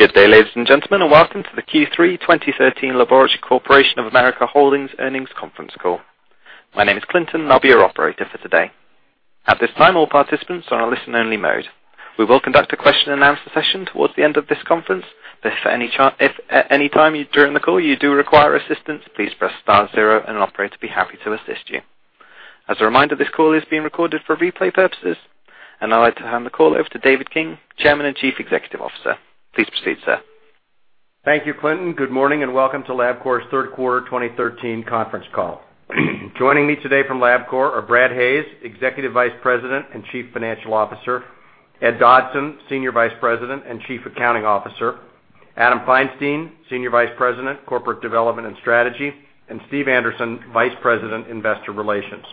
Good day, ladies and gentlemen, and welcome to the Q3 2013 Laboratory Corporation of America Holdings earnings conference call. My name is Clinton, and I'll be your operator for today. At this time, all participants are on a listen-only mode. We will conduct a question-and-answer session towards the end of this conference, but if at any time during the call you do require assistance, please press star zero, and an operator will be happy to assist you. As a reminder, this call is being recorded for replay purposes, and I'd like to hand the call over to David King, Chairman and Chief Executive Officer. Please proceed, sir. Thank you, Clinton. Good morning and welcome to Labcorp's third quarter 2013 conference call. Joining me today from Labcorp are Brad Hayes, Executive Vice President and Chief Financial Officer, Ed Dodson, Senior Vice President and Chief Accounting Officer, Adam Feinstein, Senior Vice President, Corporate Development and Strategy, and Steve Anderson, Vice President, Investor Relations.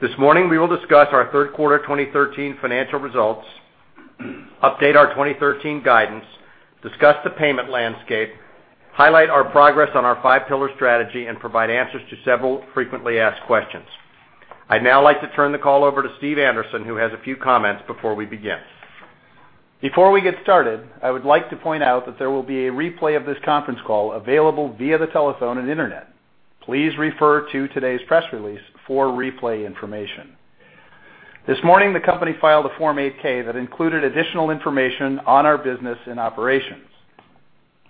This morning, we will discuss our third quarter 2013 financial results, update our 2013 guidance, discuss the payment landscape, highlight our progress on our five-pillar strategy, and provide answers to several frequently asked questions. I'd now like to turn the call over to Steve Anderson, who has a few comments before we begin. Before we get started, I would like to point out that there will be a replay of this conference call available via the telephone and internet. Please refer to today's press release for replay information. This morning, the company filed a Form 8K that included additional information on our business and operations.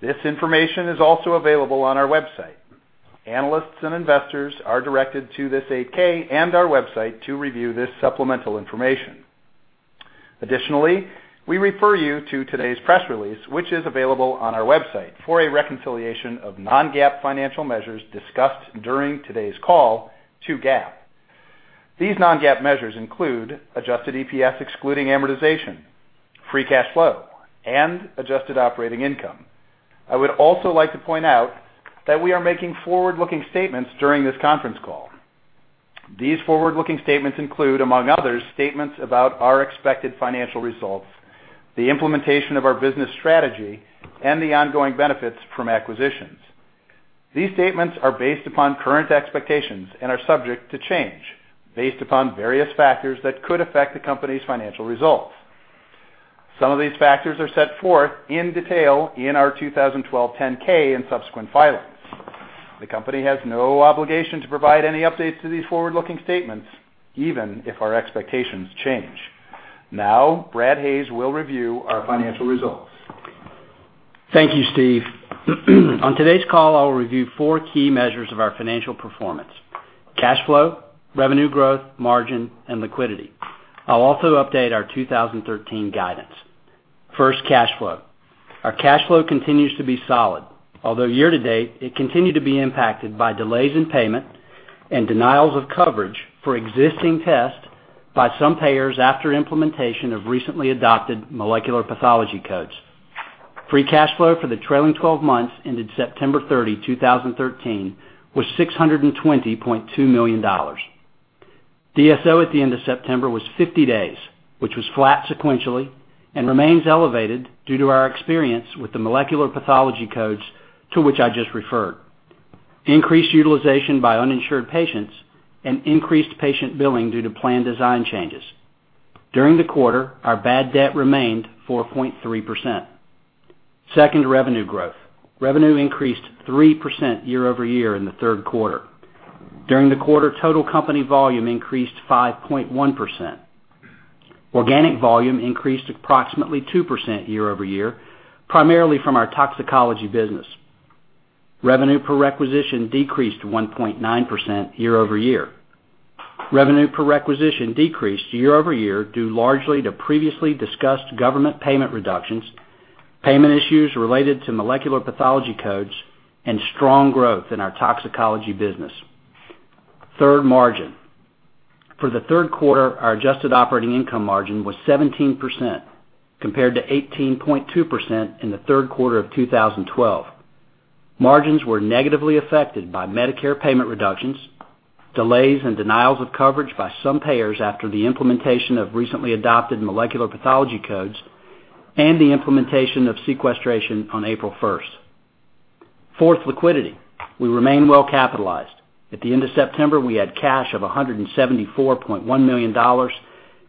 This information is also available on our website. Analysts and investors are directed to this 8K and our website to review this supplemental information. Additionally, we refer you to today's press release, which is available on our website, for a reconciliation of non-GAAP financial measures discussed during today's call to GAAP. These non-GAAP measures include adjusted EPS excluding amortization, free cash flow, and adjusted operating income. I would also like to point out that we are making forward-looking statements during this conference call. These forward-looking statements include, among others, statements about our expected financial results, the implementation of our business strategy, and the ongoing benefits from acquisitions. These statements are based upon current expectations and are subject to change, based upon various factors that could affect the company's financial results. Some of these factors are set forth in detail in our 2012 10-K and subsequent filings. The company has no obligation to provide any updates to these forward-looking statements, even if our expectations change. Now, Brad Hayes will review our financial results. Thank you, Steve. On today's call, I'll review four key measures of our financial performance: cash flow, revenue growth, margin, and liquidity. I'll also update our 2013 guidance. First, cash flow. Our cash flow continues to be solid, although year to date it continued to be impacted by delays in payment and denials of coverage for existing tests by some payers after implementation of recently adopted molecular pathology codes. Free cash flow for the trailing 12 months ended September 30, 2013, was $620.2 million. DSO at the end of September was 50 days, which was flat sequentially and remains elevated due to our experience with the molecular pathology codes to which I just referred, increased utilization by uninsured patients, and increased patient billing due to plan design changes. During the quarter, our bad debt remained 4.3%. Second, revenue growth. Revenue increased 3% year over year in the third quarter. During the quarter, total company volume increased 5.1%. Organic volume increased approximately 2% year over year, primarily from our toxicology business. Revenue per requisition decreased 1.9% year over year. Revenue per requisition decreased year over year due largely to previously discussed government payment reductions, payment issues related to molecular pathology codes, and strong growth in our toxicology business. Third, margin. For the third quarter, our adjusted operating income margin was 17% compared to 18.2% in the third quarter of 2012. Margins were negatively affected by Medicare payment reductions, delays and denials of coverage by some payers after the implementation of recently adopted molecular pathology codes, and the implementation of sequestration on April 1. Fourth, liquidity. We remain well capitalized. At the end of September, we had cash of $174.1 million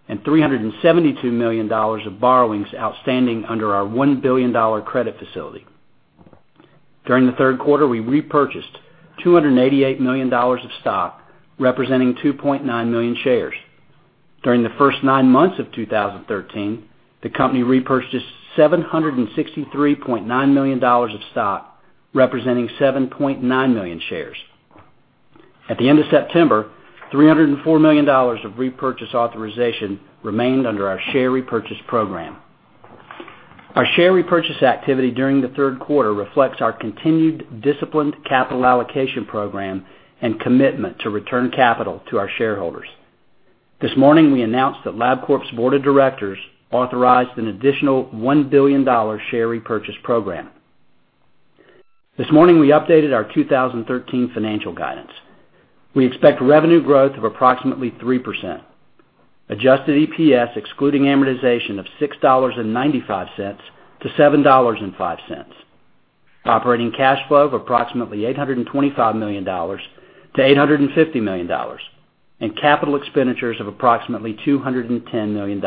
and $372 million of borrowings outstanding under our $1 billion credit facility. During the third quarter, we repurchased $288 million of stock, representing 2.9 million shares. During the first nine months of 2013, the company repurchased $763.9 million of stock, representing 7.9 million shares. At the end of September, $304 million of repurchase authorization remained under our share repurchase program. Our share repurchase activity during the third quarter reflects our continued disciplined capital allocation program and commitment to return capital to our shareholders. This morning, we announced that Labcorp's board of directors authorized an additional $1 billion share repurchase program. This morning, we updated our 2013 financial guidance. We expect revenue growth of approximately 3%, adjusted EPS excluding amortization of $6.95-$7.05, operating cash flow of approximately $825 million-$850 million, and capital expenditures of approximately $210 million.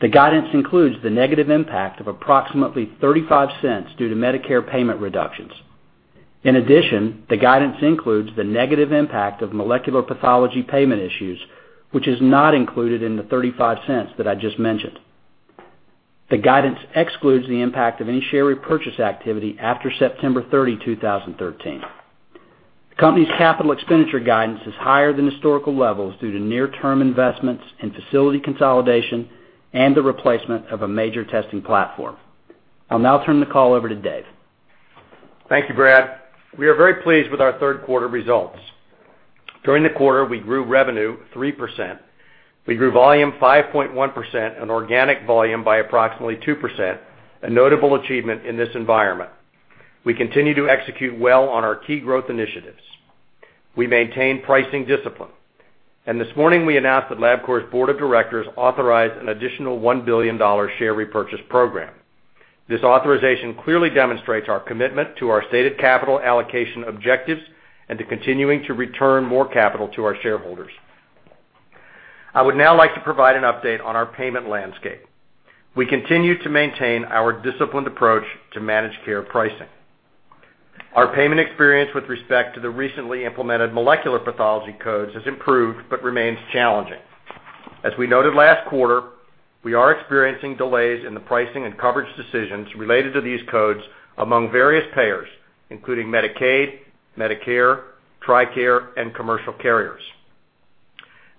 The guidance includes the negative impact of approximately $0.35 due to Medicare payment reductions. In addition, the guidance includes the negative impact of molecular pathology payment issues, which is not included in the $0.35 that I just mentioned. The guidance excludes the impact of any share repurchase activity after September 30, 2013. The company's capital expenditure guidance is higher than historical levels due to near-term investments in facility consolidation and the replacement of a major testing platform. I'll now turn the call over to Dave. Thank you, Brad. We are very pleased with our third quarter results. During the quarter, we grew revenue 3%. We grew volume 5.1% and organic volume by approximately 2%, a notable achievement in this environment. We continue to execute well on our key growth initiatives. We maintain pricing discipline. This morning, we announced that Labcorp's board of directors authorized an additional $1 billion share repurchase program. This authorization clearly demonstrates our commitment to our stated capital allocation objectives and to continuing to return more capital to our shareholders. I would now like to provide an update on our payment landscape. We continue to maintain our disciplined approach to managed care pricing. Our payment experience with respect to the recently implemented molecular pathology codes has improved but remains challenging. As we noted last quarter, we are experiencing delays in the pricing and coverage decisions related to these codes among various payers, including Medicaid, Medicare, Tricare, and commercial carriers.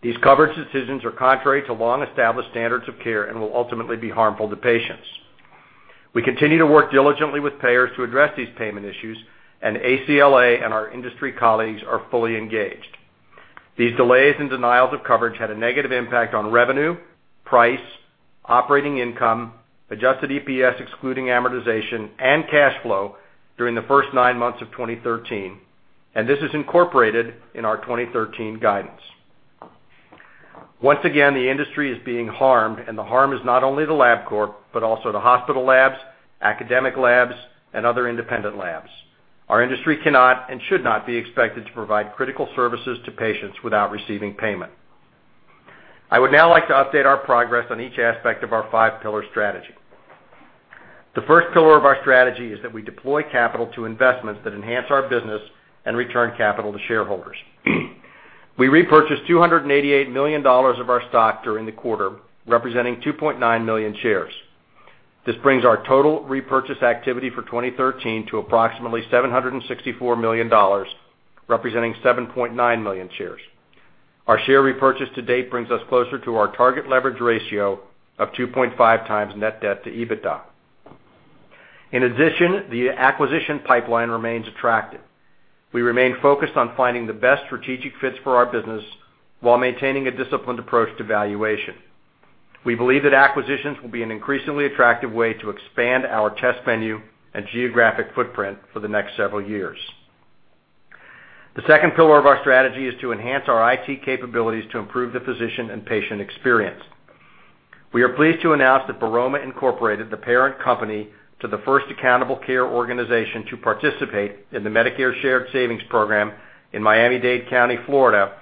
These coverage decisions are contrary to long-established standards of care and will ultimately be harmful to patients. We continue to work diligently with payers to address these payment issues, and ACLA and our industry colleagues are fully engaged. These delays and denials of coverage had a negative impact on revenue, price, operating income, adjusted EPS excluding amortization, and cash flow during the first nine months of 2013, and this is incorporated in our 2013 guidance. Once again, the industry is being harmed, and the harm is not only to Labcorp but also to hospital labs, academic labs, and other independent labs. Our industry cannot and should not be expected to provide critical services to patients without receiving payment. I would now like to update our progress on each aspect of our five-pillar strategy. The first pillar of our strategy is that we deploy capital to investments that enhance our business and return capital to shareholders. We repurchased $288 million of our stock during the quarter, representing 2.9 million shares. This brings our total repurchase activity for 2013 to approximately $764 million, representing 7.9 million shares. Our share repurchase to date brings us closer to our target leverage ratio of 2.5 times net debt to EBITDA. In addition, the acquisition pipeline remains attractive. We remain focused on finding the best strategic fits for our business while maintaining a disciplined approach to valuation. We believe that acquisitions will be an increasingly attractive way to expand our test venue and geographic footprint for the next several years. The second pillar of our strategy is to enhance our IT capabilities to improve the physician and patient experience. We are pleased to announce that Baroma Incorporated, the parent company to the first Accountable Care Organization to participate in the Medicare Shared Savings Program in Miami-Dade County, Florida,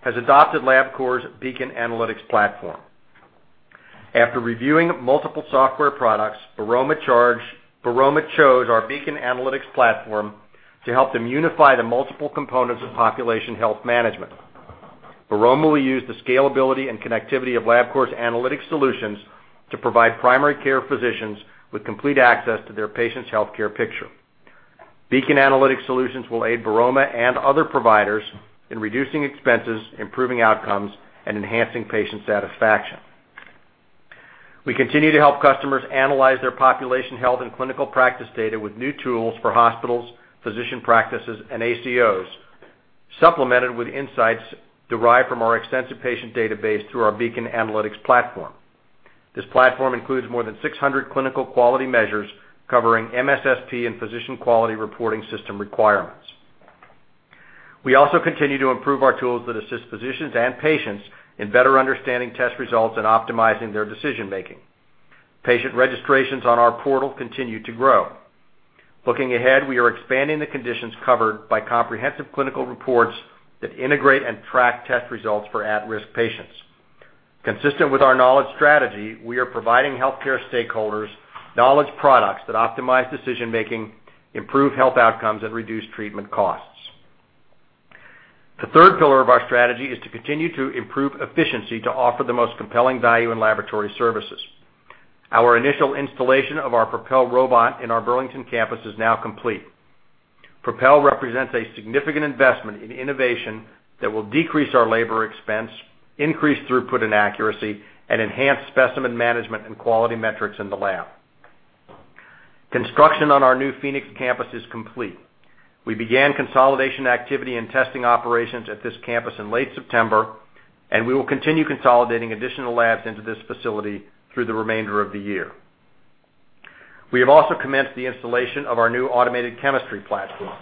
has adopted Labcorp's Beacon Analytics platform. After reviewing multiple software products, Baroma chose our Beacon Analytics platform to help them unify the multiple components of population health management. Baroma will use the scalability and connectivity of Labcorp's analytic solutions to provide primary care physicians with complete access to their patient's healthcare picture. Beacon Analytics solutions will aid Baroma and other providers in reducing expenses, improving outcomes, and enhancing patient satisfaction. We continue to help customers analyze their population health and clinical practice data with new tools for hospitals, physician practices, and ACOs, supplemented with insights derived from our extensive patient database through our Beacon Analytics platform. This platform includes more than 600 clinical quality measures covering MSSP and Physician Quality Reporting System requirements. We also continue to improve our tools that assist physicians and patients in better understanding test results and optimizing their decision-making. Patient registrations on our portal continue to grow. Looking ahead, we are expanding the conditions covered by comprehensive clinical reports that integrate and track test results for at-risk patients. Consistent with our knowledge strategy, we are providing healthcare stakeholders knowledge products that optimize decision-making, improve health outcomes, and reduce treatment costs. The third pillar of our strategy is to continue to improve efficiency to offer the most compelling value in laboratory services. Our initial installation of our Propel robot in our Burlington campus is now complete. Propel represents a significant investment in innovation that will decrease our labor expense, increase throughput and accuracy, and enhance specimen management and quality metrics in the lab. Construction on our new Phoenix campus is complete. We began consolidation activity and testing operations at this campus in late September, and we will continue consolidating additional labs into this facility through the remainder of the year. We have also commenced the installation of our new automated chemistry platform.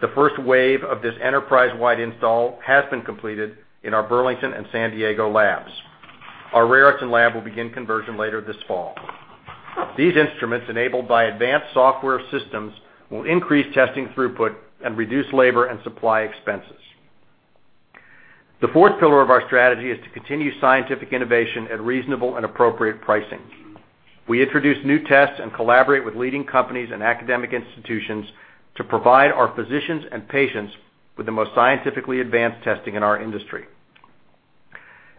The first wave of this enterprise-wide install has been completed in our Burlington and San Diego labs. Our Raritan lab will begin conversion later this fall. These instruments, enabled by advanced software systems, will increase testing throughput and reduce labor and supply expenses. The fourth pillar of our strategy is to continue scientific innovation at reasonable and appropriate pricing. We introduce new tests and collaborate with leading companies and academic institutions to provide our physicians and patients with the most scientifically advanced testing in our industry.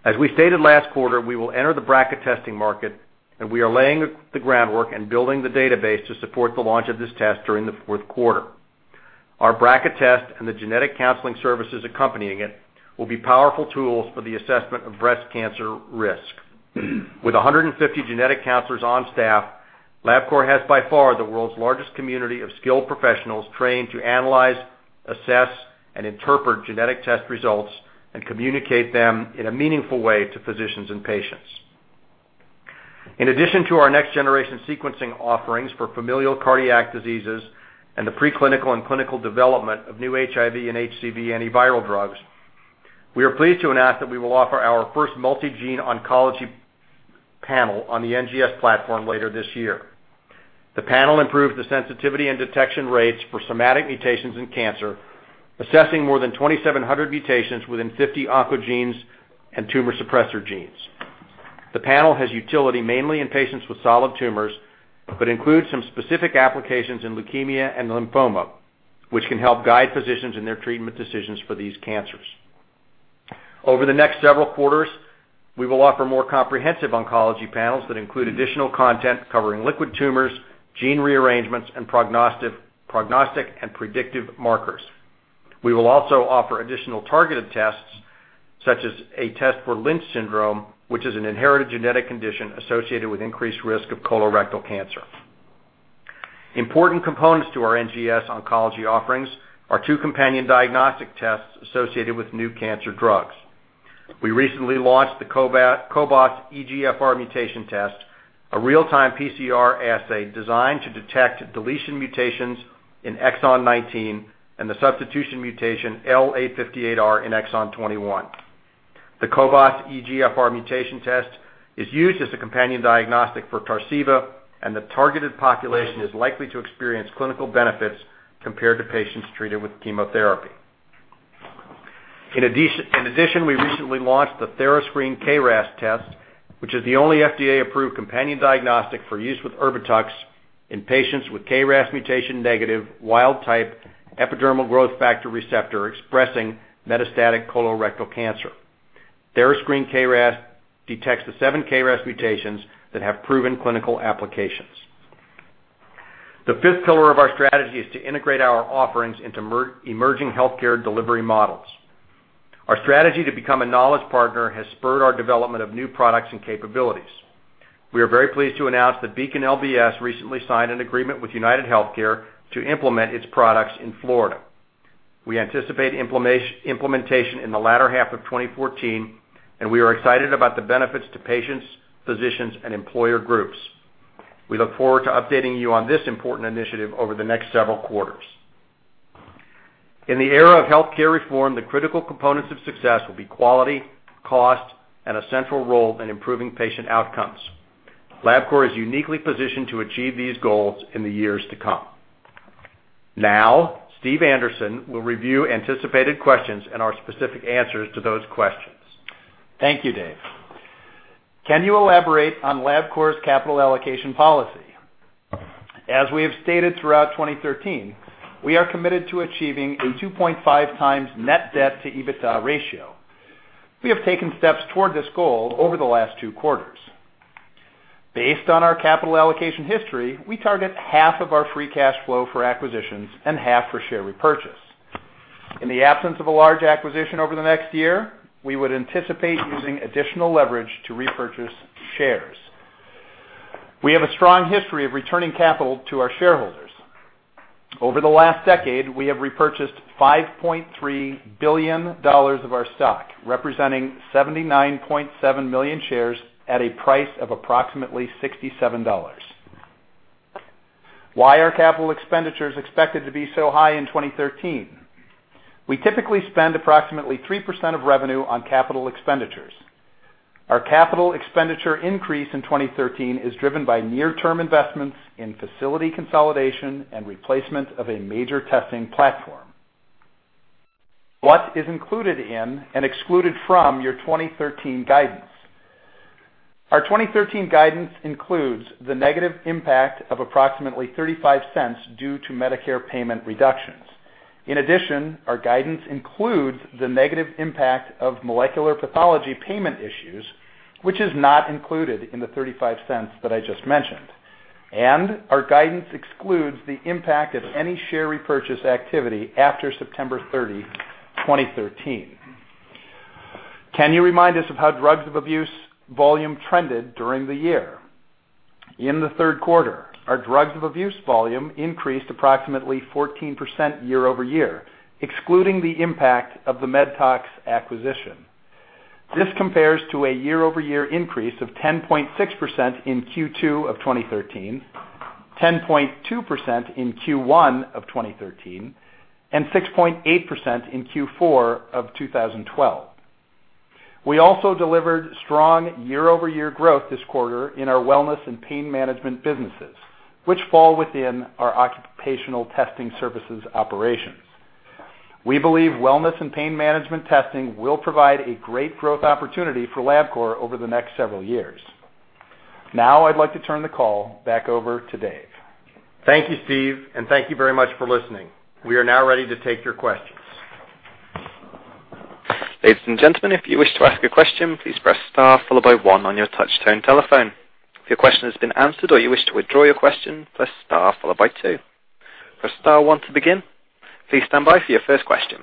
As we stated last quarter, we will enter the BRCA testing market, and we are laying the groundwork and building the database to support the launch of this test during the fourth quarter. Our BRCA test and the genetic counseling services accompanying it will be powerful tools for the assessment of breast cancer risk. With 150 genetic counselors on staff, Labcorp has by far the world's largest community of skilled professionals trained to analyze, assess, and interpret genetic test results and communicate them in a meaningful way to physicians and patients. In addition to our next-generation sequencing offerings for familial cardiac diseases and the preclinical and clinical development of new HIV and HCV antiviral drugs, we are pleased to announce that we will offer our first multi-gene oncology panel on the NGS platform later this year. The panel improves the sensitivity and detection rates for somatic mutations in cancer, assessing more than 2,700 mutations within 50 oncogenes and tumor suppressor genes. The panel has utility mainly in patients with solid tumors but includes some specific applications in leukemia and lymphoma, which can help guide physicians in their treatment decisions for these cancers. Over the next several quarters, we will offer more comprehensive oncology panels that include additional content covering liquid tumors, gene rearrangements, and prognostic and predictive markers. We will also offer additional targeted tests, such as a test for Lynch syndrome, which is an inherited genetic condition associated with increased risk of colorectal cancer. Important components to our NGS oncology offerings are two companion diagnostic tests associated with new cancer drugs. We recently launched the Cobas EGFR mutation test, a real-time PCR assay designed to detect deletion mutations in Exon 19 and the substitution mutation L858R in Exon 21. The Cobas EGFR mutation test is used as a companion diagnostic for Tarceva, and the targeted population is likely to experience clinical benefits compared to patients treated with chemotherapy. In addition, we recently launched the TheraScreen KRAS test, which is the only FDA-approved companion diagnostic for use with Erbitux in patients with KRAS mutation-negative wild-type epidermal growth factor receptor expressing metastatic colorectal cancer. TheraScreen KRAS detects the seven KRAS mutations that have proven clinical applications. The fifth pillar of our strategy is to integrate our offerings into emerging healthcare delivery models. Our strategy to become a knowledge partner has spurred our development of new products and capabilities. We are very pleased to announce that Beacon LBS recently signed an agreement with UnitedHealthcare to implement its products in Florida. We anticipate implementation in the latter half of 2014, and we are excited about the benefits to patients, physicians, and employer groups. We look forward to updating you on this important initiative over the next several quarters. In the era of healthcare reform, the critical components of success will be quality, cost, and a central role in improving patient outcomes. Labcorp is uniquely positioned to achieve these goals in the years to come. Now, Steve Anderson will review anticipated questions and our specific answers to those questions. Thank you, Dave. Can you elaborate on Labcorp's capital allocation policy? As we have stated throughout 2013, we are committed to achieving a 2.5 times net debt to EBITDA ratio. We have taken steps toward this goal over the last two quarters. Based on our capital allocation history, we target half of our free cash flow for acquisitions and half for share repurchase. In the absence of a large acquisition over the next year, we would anticipate using additional leverage to repurchase shares. We have a strong history of returning capital to our shareholders. Over the last decade, we have repurchased $5.3 billion of our stock, representing 79.7 million shares at a price of approximately $67. Why are capital expenditures expected to be so high in 2013? We typically spend approximately 3% of revenue on capital expenditures. Our capital expenditure increase in 2013 is driven by near-term investments in facility consolidation and replacement of a major testing platform. What is included in and excluded from your 2013 guidance? Our 2013 guidance includes the negative impact of approximately $0.35 due to Medicare payment reductions. In addition, our guidance includes the negative impact of molecular pathology payment issues, which is not included in the $0.35 that I just mentioned. Our guidance excludes the impact of any share repurchase activity after September 30, 2013. Can you remind us of how drugs of abuse volume trended during the year? In the third quarter, our drugs of abuse volume increased approximately 14% year over year, excluding the impact of the MedTox acquisition. This compares to a year-over-year increase of 10.6% in Q2 of 2013, 10.2% in Q1 of 2013, and 6.8% in Q4 of 2012. We also delivered strong year-over-year growth this quarter in our wellness and pain management businesses, which fall within our occupational testing services operations. We believe wellness and pain management testing will provide a great growth opportunity for Labcorp over the next several years. Now, I'd like to turn the call back over to Dave. Thank you, Steve, and thank you very much for listening. We are now ready to take your questions. Ladies and gentlemen, if you wish to ask a question, please press star followed by one on your touch-tone telephone. If your question has been answered or you wish to withdraw your question, press star followed by two. Press star one to begin. Please stand by for your first question.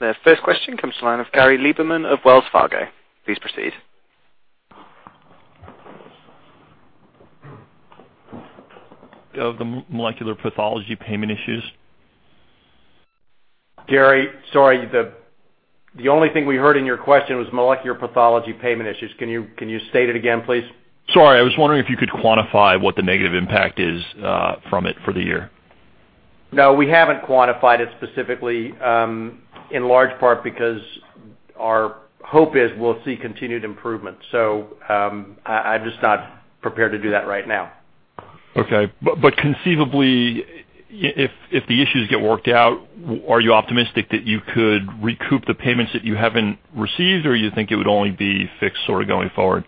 The first question comes from the line of Gary Lieberman of Wells Fargo. Please proceed. Of the molecular pathology payment issues? Gary, sorry, the only thing we heard in your question was molecular pathology payment issues. Can you state it again, please? Sorry, I was wondering if you could quantify what the negative impact is from it for the year. No, we haven't quantified it specifically, in large part because our hope is we'll see continued improvement. I'm just not prepared to do that right now. Okay. Conceivably, if the issues get worked out, are you optimistic that you could recoup the payments that you haven't received, or you think it would only be fixed sort of going forward?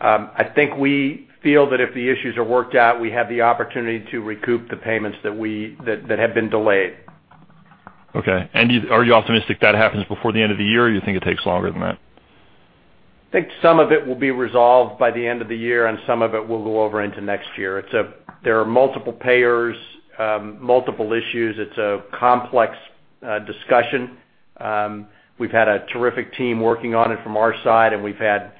I think we feel that if the issues are worked out, we have the opportunity to recoup the payments that have been delayed. Okay. Are you optimistic that happens before the end of the year, or do you think it takes longer than that? I think some of it will be resolved by the end of the year, and some of it will go over into next year. There are multiple payers, multiple issues. It's a complex discussion. We've had a terrific team working on it from our side, and we've had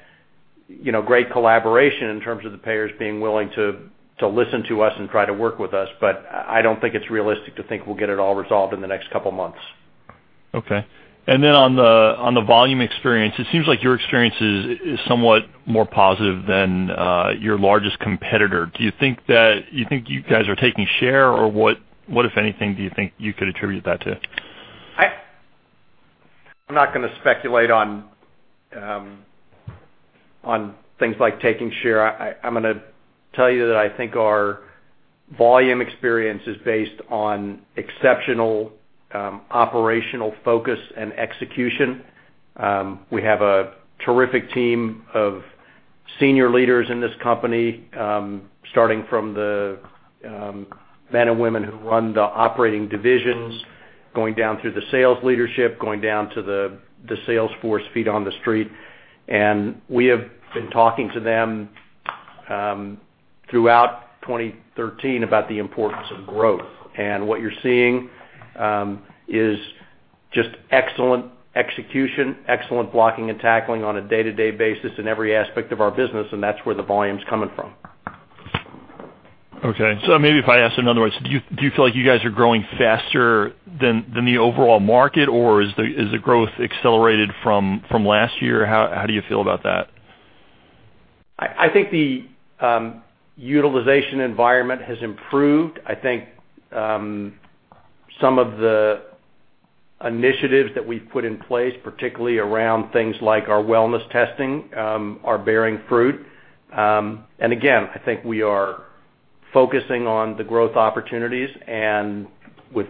great collaboration in terms of the payers being willing to listen to us and try to work with us. I don't think it's realistic to think we'll get it all resolved in the next couple of months. Okay. On the volume experience, it seems like your experience is somewhat more positive than your largest competitor. Do you think that you guys are taking share, or what, if anything, do you think you could attribute that to? I'm not going to speculate on things like taking share. I'm going to tell you that I think our volume experience is based on exceptional operational focus and execution. We have a terrific team of senior leaders in this company, starting from the men and women who run the operating divisions, going down through the sales leadership, going down to the sales force feet on the street. We have been talking to them throughout 2013 about the importance of growth. What you're seeing is just excellent execution, excellent blocking and tackling on a day-to-day basis in every aspect of our business, and that's where the volume's coming from. Okay. So maybe if I asked in other words, do you feel like you guys are growing faster than the overall market, or is the growth accelerated from last year? How do you feel about that? I think the utilization environment has improved. I think some of the initiatives that we've put in place, particularly around things like our wellness testing, are bearing fruit. I think we are focusing on the growth opportunities. With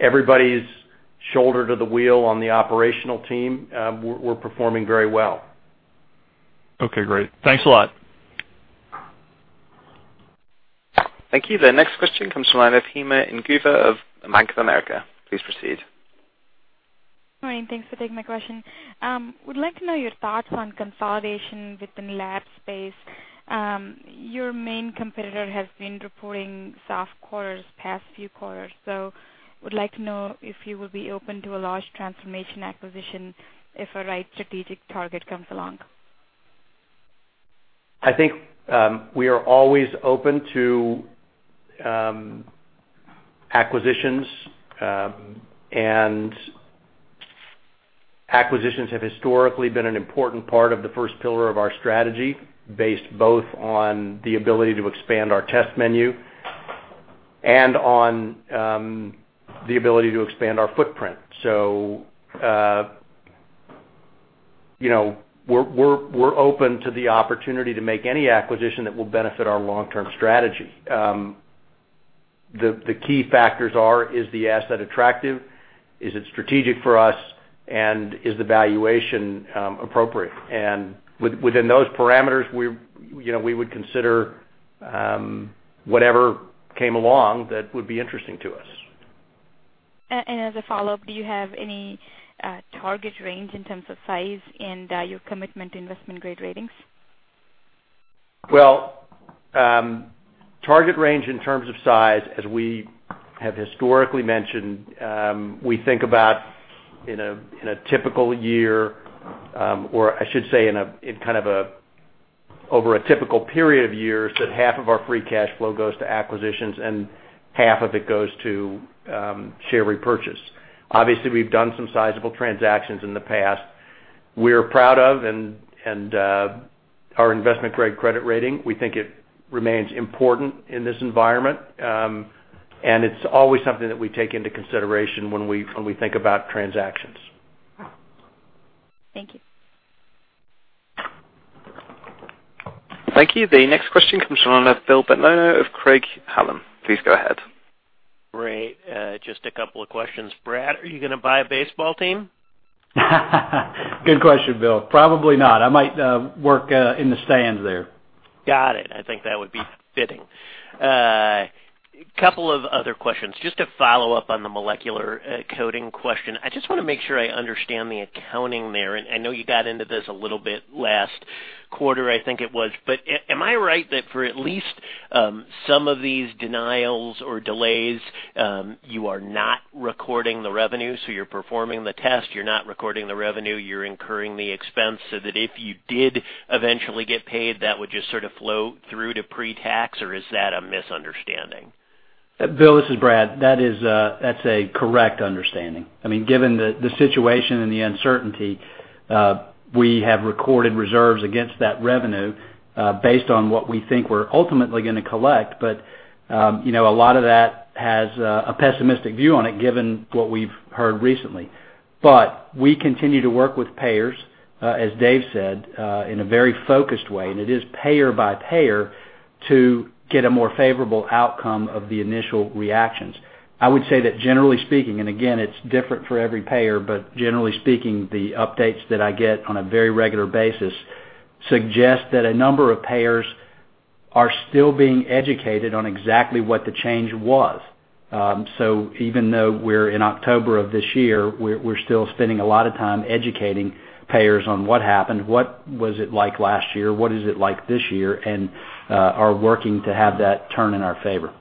everybody's shoulder to the wheel on the operational team, we're performing very well. Okay. Great. Thanks a lot. Thank you. The next question comes from Ephema Nguiba of Bank of America. Please proceed. Good morning. Thanks for taking my question. Would like to know your thoughts on consolidation within the lab space. Your main competitor has been reporting soft quarters past few quarters. Would like to know if you would be open to a large transformation acquisition if a right strategic target comes along. I think we are always open to acquisitions, and acquisitions have historically been an important part of the first pillar of our strategy, based both on the ability to expand our test menu and on the ability to expand our footprint. We are open to the opportunity to make any acquisition that will benefit our long-term strategy. The key factors are: is the asset attractive? Is it strategic for us? Is the valuation appropriate? Within those parameters, we would consider whatever came along that would be interesting to us. Do you have any target range in terms of size and your commitment to investment-grade ratings? Target range in terms of size, as we have historically mentioned, we think about in a typical year, or I should say in kind of over a typical period of years, that half of our free cash flow goes to acquisitions and half of it goes to share repurchase. Obviously, we've done some sizable transactions in the past. We're proud of our investment-grade credit rating. We think it remains important in this environment, and it's always something that we take into consideration when we think about transactions. Thank you. Thank you. The next question comes from Lana Philbett-Lono of Craig-Hallum. Please go ahead. Great. Just a couple of questions. Brad, are you going to buy a baseball team? Good question, Bill. Probably not. I might work in the stands there. Got it. I think that would be fitting. A couple of other questions. Just to follow up on the molecular coding question, I just want to make sure I understand the accounting there. I know you got into this a little bit last quarter, I think it was. Am I right that for at least some of these denials or delays, you are not recording the revenue? You are performing the test, you are not recording the revenue, you are incurring the expense so that if you did eventually get paid, that would just sort of flow through to pre-tax, or is that a misunderstanding? Bill, this is Brad. That's a correct understanding. I mean, given the situation and the uncertainty, we have recorded reserves against that revenue based on what we think we're ultimately going to collect. A lot of that has a pessimistic view on it given what we've heard recently. We continue to work with payers, as Dave said, in a very focused way. It is payer by payer to get a more favorable outcome of the initial reactions. I would say that generally speaking, and again, it's different for every payer, but generally speaking, the updates that I get on a very regular basis suggest that a number of payers are still being educated on exactly what the change was. Even though we're in October of this year, we're still spending a lot of time educating payers on what happened, what was it like last year, what is it like this year, and are working to have that turn in our favor.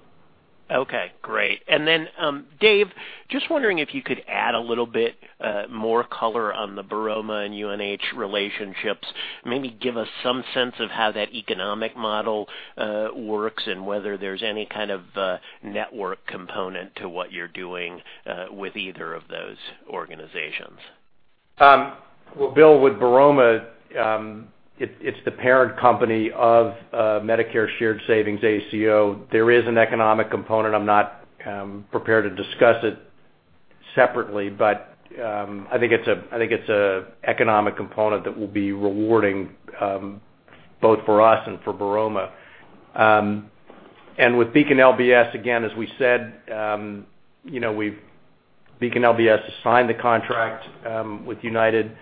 Okay. Great. Dave, just wondering if you could add a little bit more color on the Baroma and UNH relationships, maybe give us some sense of how that economic model works and whether there's any kind of network component to what you're doing with either of those organizations. Bill, with Baroma, it's the parent company of Medicare Shared Savings ACO. There is an economic component. I'm not prepared to discuss it separately, but I think it's an economic component that will be rewarding both for us and for Baroma. With Beacon LBS, again, as we said, Beacon LBS has signed the contract with United.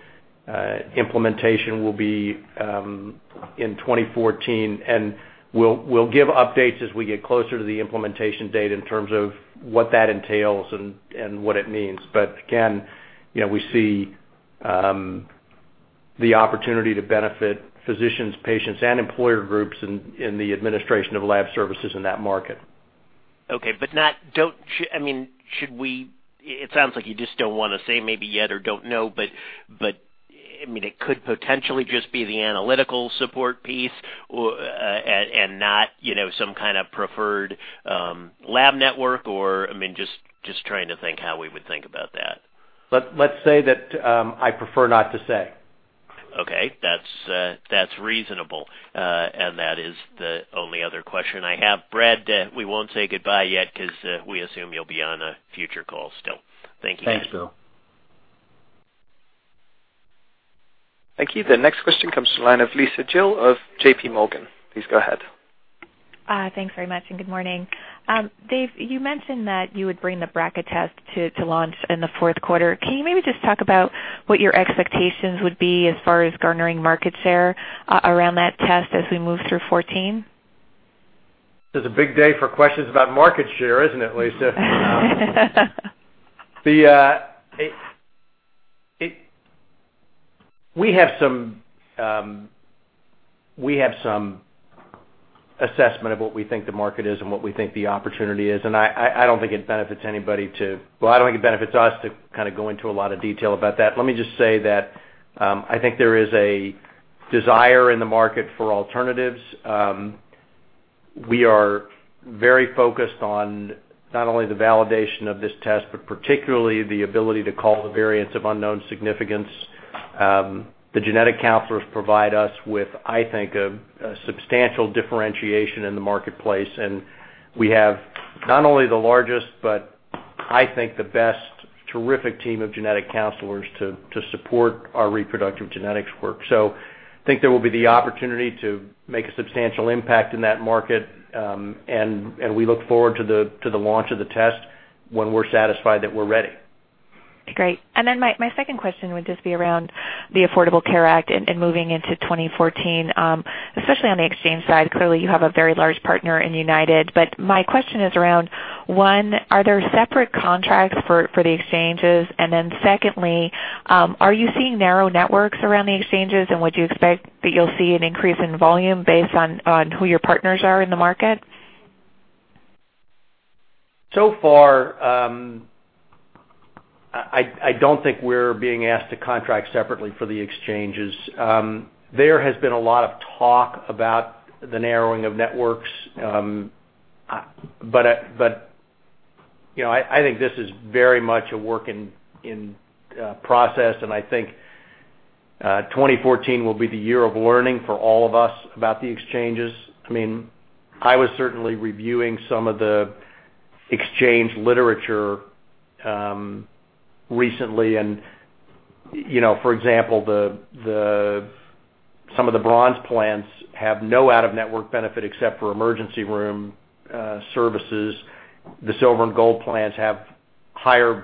Implementation will be in 2014, and we'll give updates as we get closer to the implementation date in terms of what that entails and what it means. Again, we see the opportunity to benefit physicians, patients, and employer groups in the administration of lab services in that market. Okay. I mean, it sounds like you just don't want to say maybe yet or don't know, but I mean, it could potentially just be the analytical support piece and not some kind of preferred lab network, or I mean, just trying to think how we would think about that. Let's say that I prefer not to say. Okay. That's reasonable. That is the only other question I have. Brad, we won't say goodbye yet because we assume you'll be on a future call still. Thank you. Thanks, Bill. Thank you. The next question comes from the line of Lisa Jill of JPMorgan. Please go ahead. Thanks very much. Good morning. Dave, you mentioned that you would bring the BRCA test to launch in the fourth quarter. Can you maybe just talk about what your expectations would be as far as garnering market share around that test as we move through 2014? It's a big day for questions about market share, isn't it, Lisa? We have some assessment of what we think the market is and what we think the opportunity is. I don't think it benefits anybody to, I don't think it benefits us to kind of go into a lot of detail about that. Let me just say that I think there is a desire in the market for alternatives. We are very focused on not only the validation of this test, but particularly the ability to call the variants of unknown significance. The genetic counselors provide us with, I think, a substantial differentiation in the marketplace. We have not only the largest, but I think the best, terrific team of genetic counselors to support our reproductive genetics work. I think there will be the opportunity to make a substantial impact in that market. We look forward to the launch of the test when we're satisfied that we're ready. Great. Then my second question would just be around the Affordable Care Act and moving into 2014, especially on the exchange side. Clearly, you have a very large partner in United. My question is around, one, are there separate contracts for the exchanges? Then secondly, are you seeing narrow networks around the exchanges, and would you expect that you'll see an increase in volume based on who your partners are in the market? So far, I don't think we're being asked to contract separately for the exchanges. There has been a lot of talk about the narrowing of networks, but I think this is very much a work in process. I think 2014 will be the year of learning for all of us about the exchanges. I mean, I was certainly reviewing some of the exchange literature recently. For example, some of the bronze plans have no out-of-network benefit except for emergency room services. The silver and gold plans have higher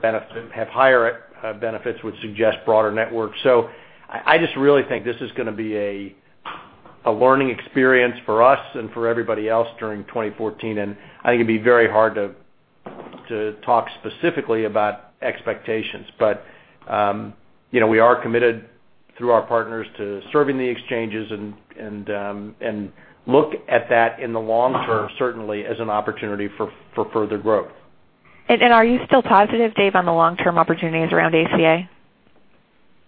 benefits, which would suggest broader networks. I just really think this is going to be a learning experience for us and for everybody else during 2014. I think it'd be very hard to talk specifically about expectations. We are committed through our partners to serving the exchanges and look at that in the long term, certainly, as an opportunity for further growth. Are you still positive, Dave, on the long-term opportunities around ACA?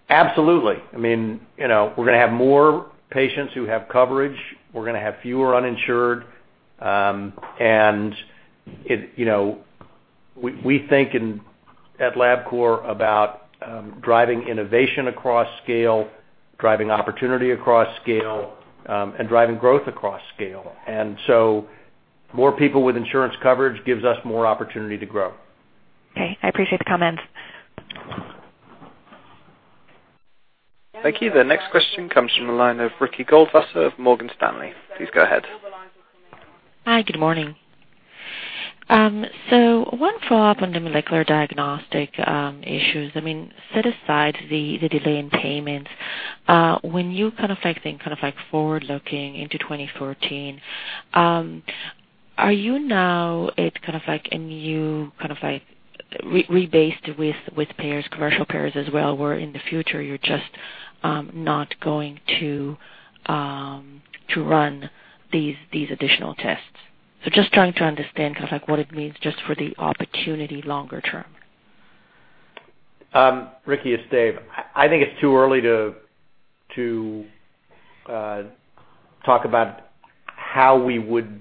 Absolutely. I mean, we're going to have more patients who have coverage. We're going to have fewer uninsured. We think at Labcorp about driving innovation across scale, driving opportunity across scale, and driving growth across scale. More people with insurance coverage gives us more opportunity to grow. Okay. I appreciate the comments. Thank you. The next question comes from the line of Ricky Goldfasser of Morgan Stanley. Please go ahead. Hi. Good morning. One follow-up on the molecular diagnostic issues. I mean, set aside the delay in payments, when you kind of think forward-looking into 2014, are you now at kind of a new rebase with payers, commercial payers as well, where in the future you're just not going to run these additional tests? Just trying to understand what it means for the opportunity longer term. Ricky, it's Dave. I think it's too early to talk about how we would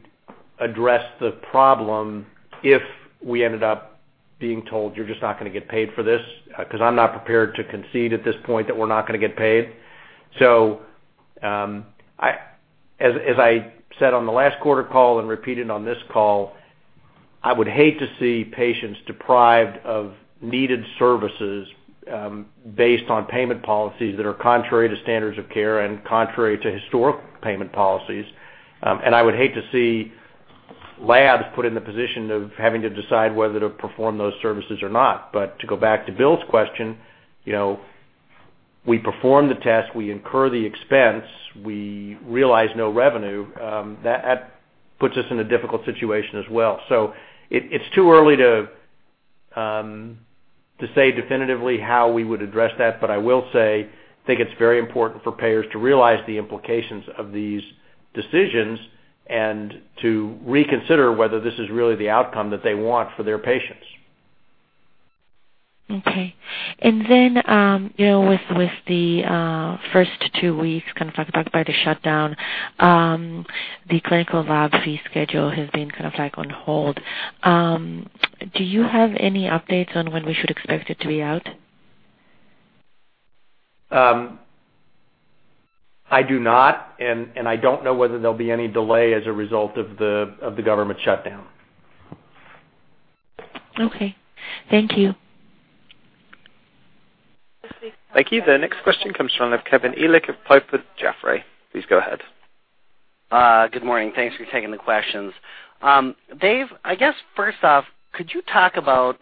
address the problem if we ended up being told, "You're just not going to get paid for this," because I'm not prepared to concede at this point that we're not going to get paid. As I said on the last quarter call and repeated on this call, I would hate to see patients deprived of needed services based on payment policies that are contrary to standards of care and contrary to historical payment policies. I would hate to see labs put in the position of having to decide whether to perform those services or not. To go back to Bill's question, we perform the test. We incur the expense. We realize no revenue. That puts us in a difficult situation as well. It's too early to say definitively how we would address that, but I will say I think it's very important for payers to realize the implications of these decisions and to reconsider whether this is really the outcome that they want for their patients. Okay. With the first two weeks kind of backed by the shutdown, the clinical lab fee schedule has been kind of on hold. Do you have any updates on when we should expect it to be out? I do not. I don't know whether there'll be any delay as a result of the government shutdown. Okay. Thank you. Thank you. The next question comes from Kevin Elyck of Piper Jaffray. Please go ahead. Good morning. Thanks for taking the questions. Dave, I guess first off, could you talk about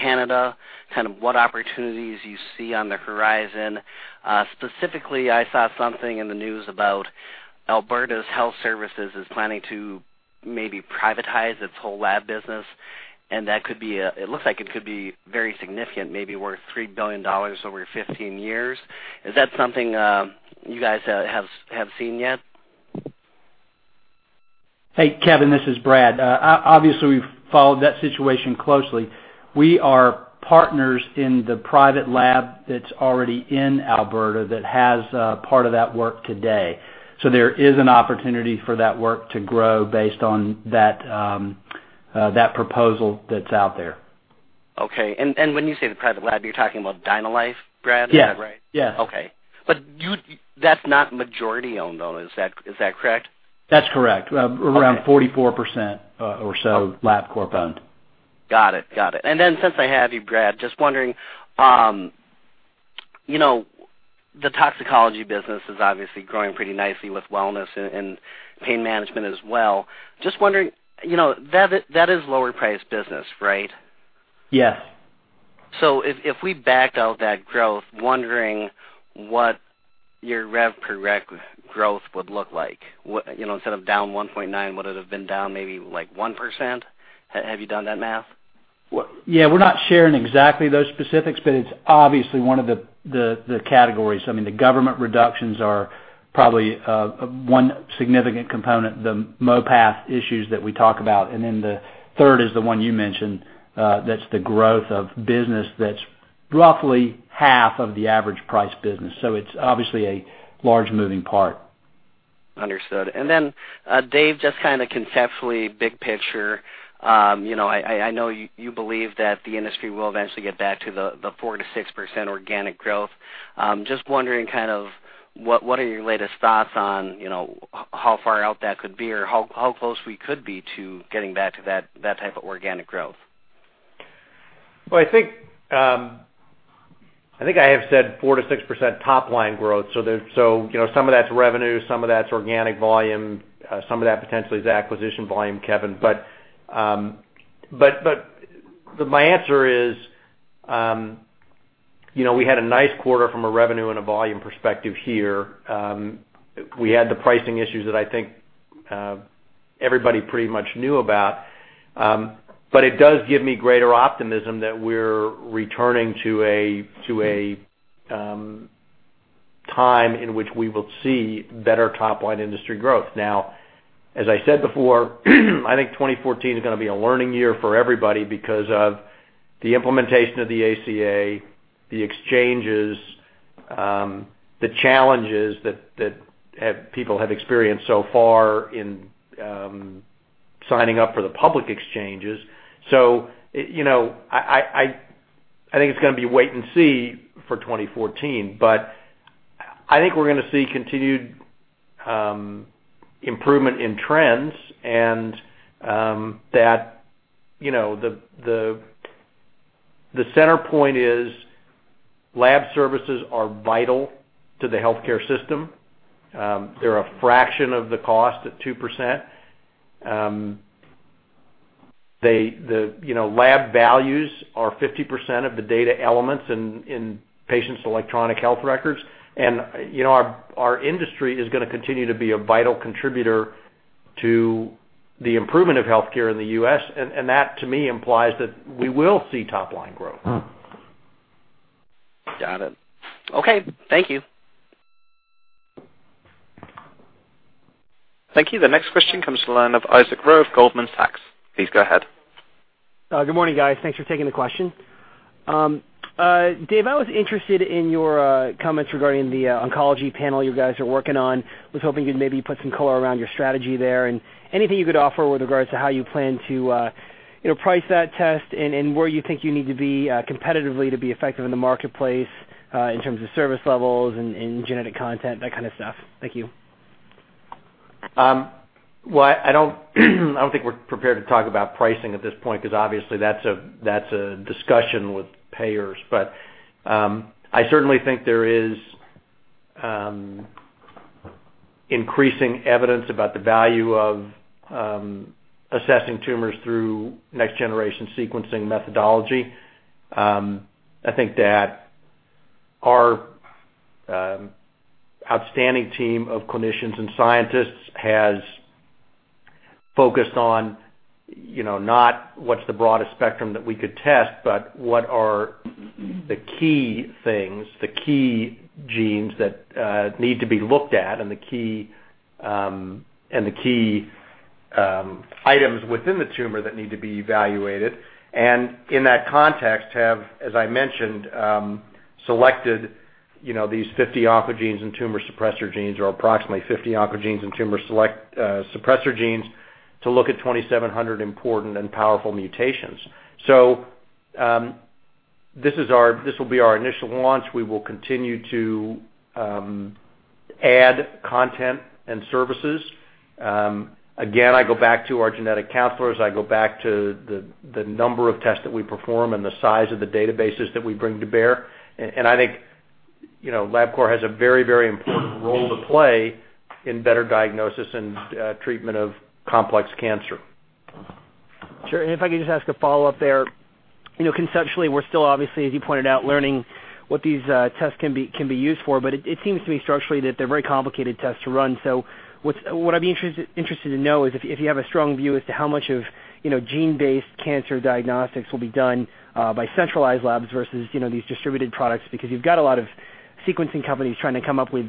Canada, kind of what opportunities you see on the horizon? Specifically, I saw something in the news about Alberta's health services is planning to maybe privatize its whole lab business. That could be a it looks like it could be very significant, maybe worth $3 billion over 15 years. Is that something you guys have seen yet? Hey, Kevin, this is Brad. Obviously, we've followed that situation closely. We are partners in the private lab that's already in Alberta that has part of that work today. There is an opportunity for that work to grow based on that proposal that's out there. Okay. When you say the private lab, you're talking about DynaLife, Brad? Yes. Is that right? Yes. Okay. That's not majority-owned, though. Is that correct? That's correct. Around 44% or so Labcorp-owned. Got it. Got it. Since I have you, Brad, just wondering, the toxicology business is obviously growing pretty nicely with wellness and pain management as well. Just wondering, that is lower-priced business, right? Yes. If we backed out that growth, wondering what your RevPreg growth would look like. Instead of down 1.9%, would it have been down maybe like 1%? Have you done that math? Yeah. We're not sharing exactly those specifics, but it's obviously one of the categories. I mean, the government reductions are probably one significant component, the MOPATH issues that we talk about. Then the third is the one you mentioned that's the growth of business that's roughly half of the average-priced business. So it's obviously a large moving part. Understood. Dave, just kind of conceptually, big picture, I know you believe that the industry will eventually get back to the 4-6% organic growth. Just wondering kind of what are your latest thoughts on how far out that could be or how close we could be to getting back to that type of organic growth? I think I have said 4-6% top-line growth. Some of that's revenue. Some of that's organic volume. Some of that potentially is acquisition volume, Kevin. My answer is we had a nice quarter from a revenue and a volume perspective here. We had the pricing issues that I think everybody pretty much knew about. It does give me greater optimism that we're returning to a time in which we will see better top-line industry growth. As I said before, I think 2014 is going to be a learning year for everybody because of the implementation of the ACA, the exchanges, the challenges that people have experienced so far in signing up for the public exchanges. I think it's going to be wait and see for 2014. I think we're going to see continued improvement in trends and that the center point is lab services are vital to the healthcare system. They're a fraction of the cost at 2%. Lab values are 50% of the data elements in patients' electronic health records. Our industry is going to continue to be a vital contributor to the improvement of healthcare in the U.S. That, to me, implies that we will see top-line growth. Got it. Okay. Thank you. Thank you. The next question comes from the line of Isaac Rowe, Goldman Sachs. Please go ahead. Good morning, guys. Thanks for taking the question. Dave, I was interested in your comments regarding the oncology panel you guys are working on. I was hoping you'd maybe put some color around your strategy there and anything you could offer with regards to how you plan to price that test and where you think you need to be competitively to be effective in the marketplace in terms of service levels and genetic content, that kind of stuff. Thank you. I don't think we're prepared to talk about pricing at this point because obviously that's a discussion with payers. I certainly think there is increasing evidence about the value of assessing tumors through next-generation sequencing methodology. I think that our outstanding team of clinicians and scientists has focused on not what's the broadest spectrum that we could test, but what are the key things, the key genes that need to be looked at, and the key items within the tumor that need to be evaluated. In that context, have, as I mentioned, selected these 50 oncogenes and tumor suppressor genes or approximately 50 oncogenes and tumor suppressor genes to look at 2,700 important and powerful mutations. This will be our initial launch. We will continue to add content and services. Again, I go back to our genetic counselors. I go back to the number of tests that we perform and the size of the databases that we bring to bear. I think Labcorp has a very, very important role to play in better diagnosis and treatment of complex cancer. Sure. If I could just ask a follow-up there. Conceptually, we're still obviously, as you pointed out, learning what these tests can be used for. It seems to me structurally that they're very complicated tests to run. What I'd be interested to know is if you have a strong view as to how much of gene-based cancer diagnostics will be done by centralized labs versus these distributed products because you've got a lot of sequencing companies trying to come up with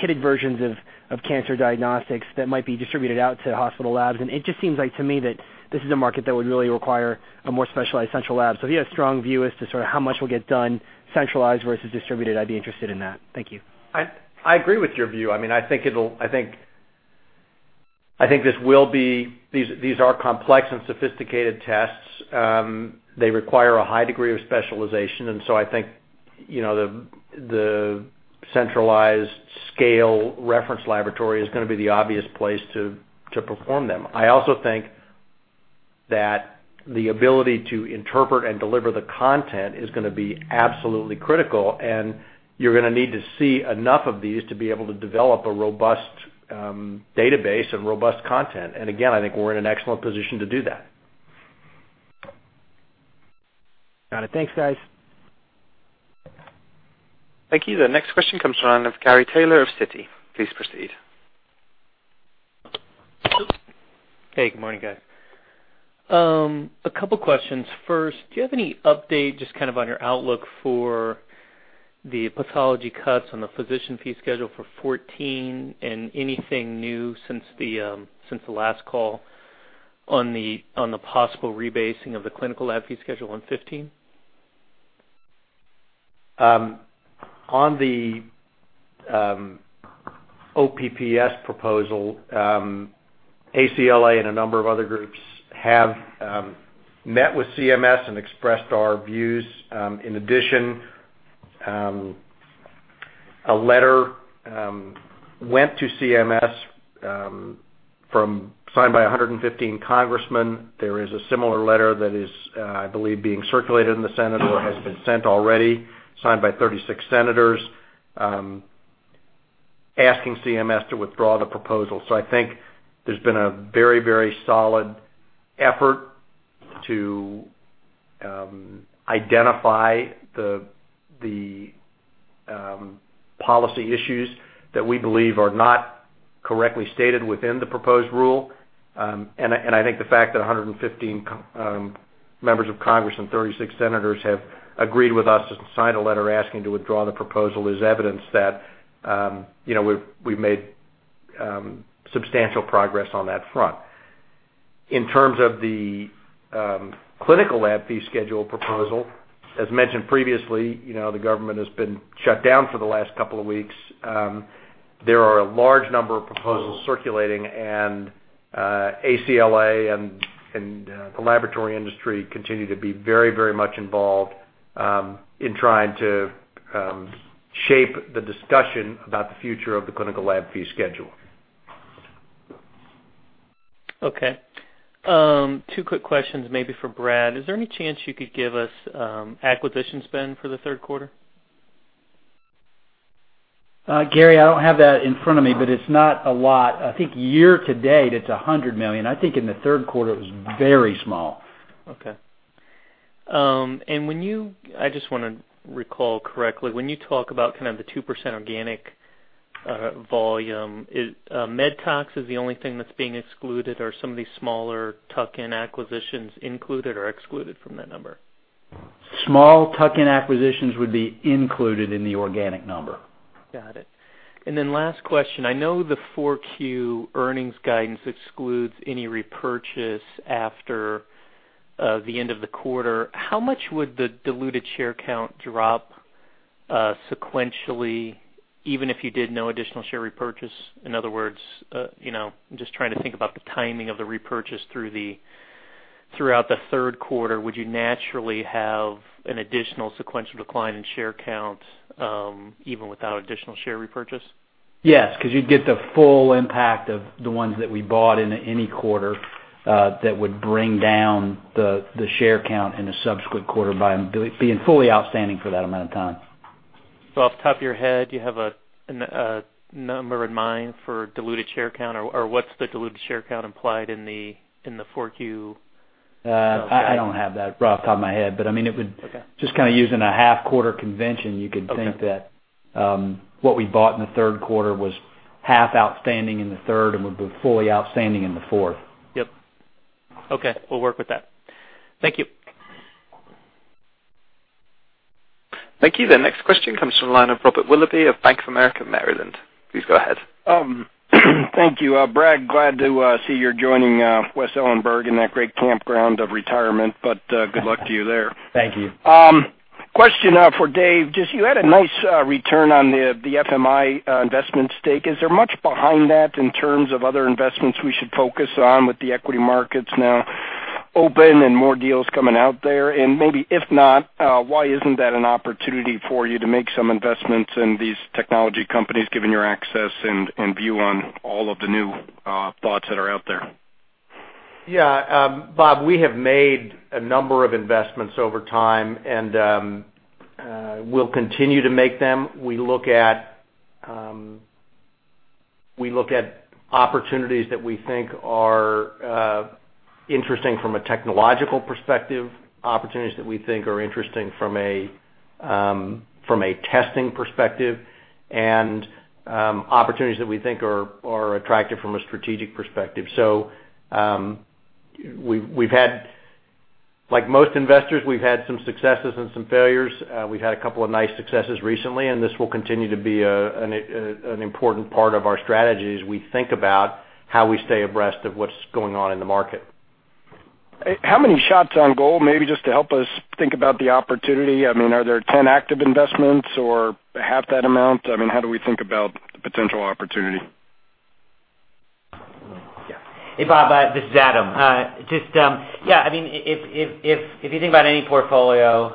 kitted versions of cancer diagnostics that might be distributed out to hospital labs. It just seems like to me that this is a market that would really require a more specialized central lab. If you have a strong view as to sort of how much will get done centralized versus distributed, I'd be interested in that. Thank you. I agree with your view. I mean, I think this will be, these are complex and sophisticated tests. They require a high degree of specialization. I think the centralized scale reference laboratory is going to be the obvious place to perform them. I also think that the ability to interpret and deliver the content is going to be absolutely critical. You're going to need to see enough of these to be able to develop a robust database and robust content. I think we're in an excellent position to do that. Got it. Thanks, guys. Thank you. The next question comes from the line of Gary Taylor of CITI. Please proceed. Hey. Good morning, guys. A couple of questions. First, do you have any update just kind of on your outlook for the pathology cuts on the physician fee schedule for 2014 and anything new since the last call on the possible rebasing of the clinical lab fee schedule in 2015? On the OPPS proposal, ACLA and a number of other groups have met with CMS and expressed our views. In addition, a letter went to CMS signed by 115 congressmen. There is a similar letter that is, I believe, being circulated in the Senate or has been sent already, signed by 36 senators, asking CMS to withdraw the proposal. I think there's been a very, very solid effort to identify the policy issues that we believe are not correctly stated within the proposed rule. I think the fact that 115 members of Congress and 36 senators have agreed with us and signed a letter asking to withdraw the proposal is evidence that we've made substantial progress on that front. In terms of the clinical lab fee schedule proposal, as mentioned previously, the government has been shut down for the last couple of weeks. There are a large number of proposals circulating. ACLA and the laboratory industry continue to be very, very much involved in trying to shape the discussion about the future of the clinical lab fee schedule. Okay. Two quick questions maybe for Brad. Is there any chance you could give us acquisition spend for the third quarter? Gary, I don't have that in front of me, but it's not a lot. I think year to date, it's $100 million. I think in the third quarter, it was very small. Okay. I just want to recall correctly, when you talk about kind of the 2% organic volume, is MedTox the only thing that's being excluded? Are some of these smaller tuck-in acquisitions included or excluded from that number? Small tuck-in acquisitions would be included in the organic number. Got it. And then last question. I know the 4Q earnings guidance excludes any repurchase after the end of the quarter. How much would the diluted share count drop sequentially, even if you did no additional share repurchase? In other words, I'm just trying to think about the timing of the repurchase throughout the third quarter. Would you naturally have an additional sequential decline in share count even without additional share repurchase? Yes. Because you'd get the full impact of the ones that we bought in any quarter, that would bring down the share count in a subsequent quarter by being fully outstanding for that amount of time. Off the top of your head, do you have a number in mind for diluted share count? Or what's the diluted share count implied in the 4Q? I don't have that right off the top of my head. I mean, just kind of using a half-quarter convention, you could think that what we bought in the third quarter was half outstanding in the third and would be fully outstanding in the fourth. Yep. Okay. We'll work with that. Thank you. Thank you. The next question comes from the line of Robert Willoughby of Bank of America of Maryland. Please go ahead. Thank you, Brad. Glad to see you're joining Wes Ellenberg in that great campground of retirement. Good luck to you there. Thank you. Question for Dave. Just you had a nice return on the FMI investment stake. Is there much behind that in terms of other investments we should focus on with the equity markets now open and more deals coming out there? Maybe if not, why isn't that an opportunity for you to make some investments in these technology companies given your access and view on all of the new thoughts that are out there? Yeah. Bob, we have made a number of investments over time and will continue to make them. We look at opportunities that we think are interesting from a technological perspective, opportunities that we think are interesting from a testing perspective, and opportunities that we think are attractive from a strategic perspective. Like most investors, we've had some successes and some failures. We've had a couple of nice successes recently. This will continue to be an important part of our strategy as we think about how we stay abreast of what's going on in the market. How many shots on goal maybe just to help us think about the opportunity? I mean, are there 10 active investments or half that amount? I mean, how do we think about the potential opportunity? Yeah. Hey, Bob. This is Adam. Just yeah. I mean, if you think about any portfolio,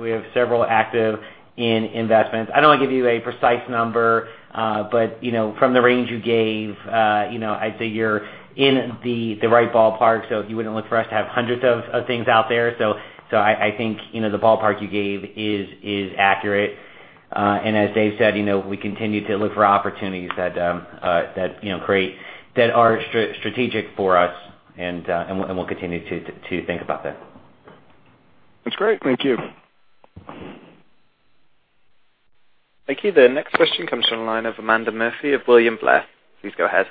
we have several active investments. I don't want to give you a precise number. From the range you gave, I'd say you're in the right ballpark. You wouldn't look for us to have hundreds of things out there. I think the ballpark you gave is accurate. As Dave said, we continue to look for opportunities that create that are strategic for us. We'll continue to think about that. That's great. Thank you. Thank you. The next question comes from the line of Amanda Murphy of William Blair. Please go ahead.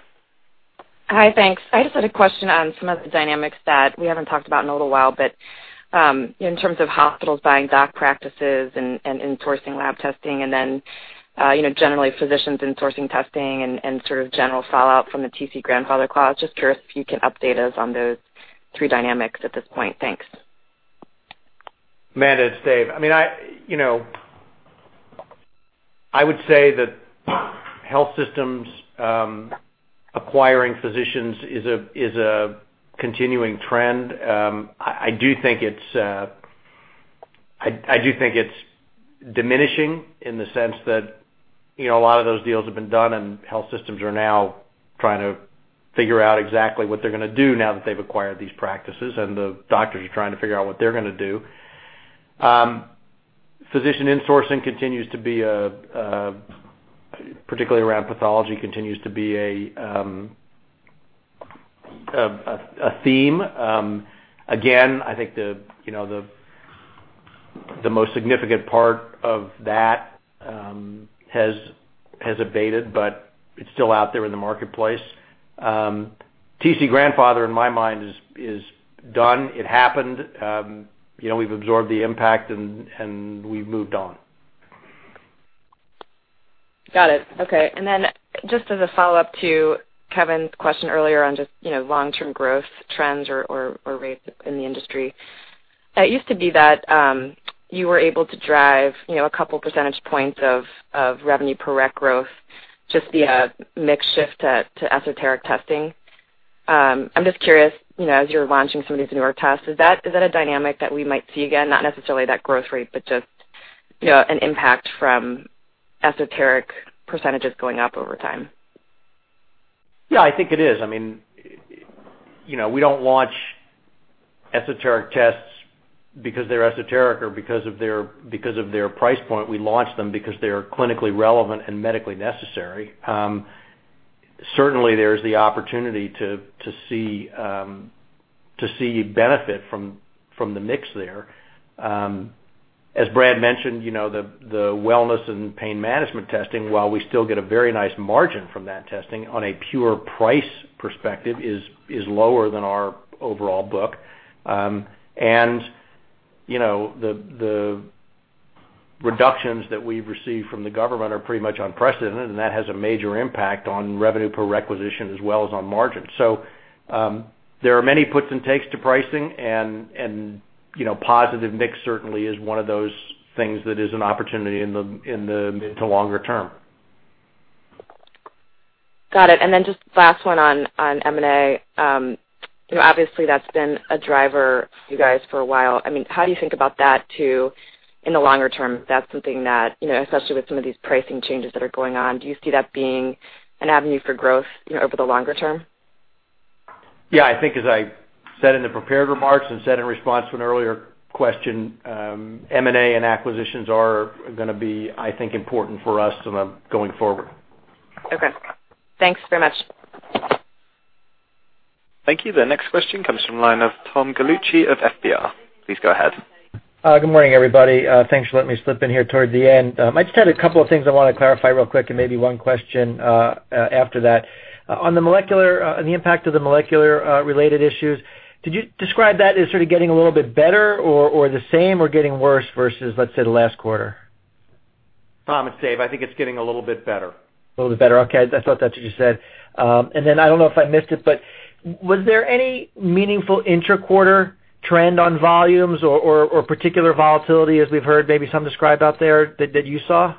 Hi. Thanks. I just had a question on some of the dynamics that we haven't talked about in a little while. In terms of hospitals buying doc practices and insourcing lab testing and then generally physicians insourcing testing and sort of general fallout from the TC Grandfather Clause, just curious if you can update us on those three dynamics at this point. Thanks. Amanda, it's Dave. I mean, I would say that health systems acquiring physicians is a continuing trend. I do think it's diminishing in the sense that a lot of those deals have been done and health systems are now trying to figure out exactly what they're going to do now that they've acquired these practices. The doctors are trying to figure out what they're going to do. Physician insourcing, particularly around pathology, continues to be a theme. Again, I think the most significant part of that has abated, but it's still out there in the marketplace. TC Grandfather in my mind is done. It happened. We've absorbed the impact and we've moved on. Got it. Okay. And then just as a follow-up to Kevin's question earlier on just long-term growth trends or rates in the industry, it used to be that you were able to drive a couple of percentage points of revenue per rec growth just via mix shift to esoteric testing. I'm just curious, as you're launching some of these newer tests, is that a dynamic that we might see again? Not necessarily that growth rate, but just an impact from esoteric percentages going up over time? Yeah. I think it is. I mean, we don't launch esoteric tests because they're esoteric or because of their price point. We launch them because they're clinically relevant and medically necessary. Certainly, there is the opportunity to see benefit from the mix there. As Brad mentioned, the wellness and pain management testing, while we still get a very nice margin from that testing on a pure price perspective, is lower than our overall book. The reductions that we've received from the government are pretty much unprecedented. That has a major impact on revenue per requisition as well as on margin. There are many puts and takes to pricing. Positive mix certainly is one of those things that is an opportunity in the mid to longer term. Got it. And then just last one on M&A. Obviously, that's been a driver for you guys for a while. I mean, how do you think about that too in the longer term? That's something that, especially with some of these pricing changes that are going on, do you see that being an avenue for growth over the longer term? Yeah. I think as I said in the prepared remarks and said in response to an earlier question, M&A and acquisitions are going to be, I think, important for us going forward. Okay. Thanks very much. Thank you. The next question comes from the line of Tom Gallucci of FBR. Please go ahead. Good morning, everybody. Thanks for letting me slip in here toward the end. I just had a couple of things I want to clarify real quick and maybe one question after that. On the impact of the molecular-related issues, did you describe that as sort of getting a little bit better or the same or getting worse versus, let's say, the last quarter? Tom and Dave, I think it's getting a little bit better. A little bit better. Okay. I thought that's what you said. I don't know if I missed it, but was there any meaningful intra-quarter trend on volumes or particular volatility as we've heard maybe some described out there that you saw?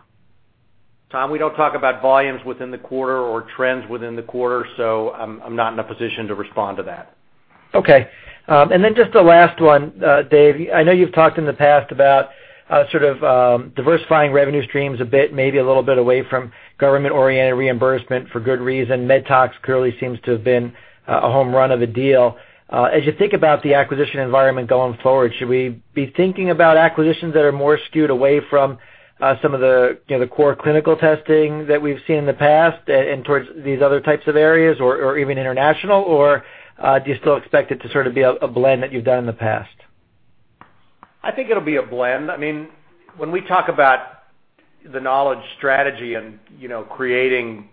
Tom, we don't talk about volumes within the quarter or trends within the quarter. So I'm not in a position to respond to that. Okay. And then just the last one, Dave. I know you've talked in the past about sort of diversifying revenue streams a bit, maybe a little bit away from government-oriented reimbursement for good reason. MedTox clearly seems to have been a home run of a deal. As you think about the acquisition environment going forward, should we be thinking about acquisitions that are more skewed away from some of the core clinical testing that we've seen in the past and towards these other types of areas or even international? Or do you still expect it to sort of be a blend that you've done in the past? I think it'll be a blend. I mean, when we talk about the knowledge strategy and creating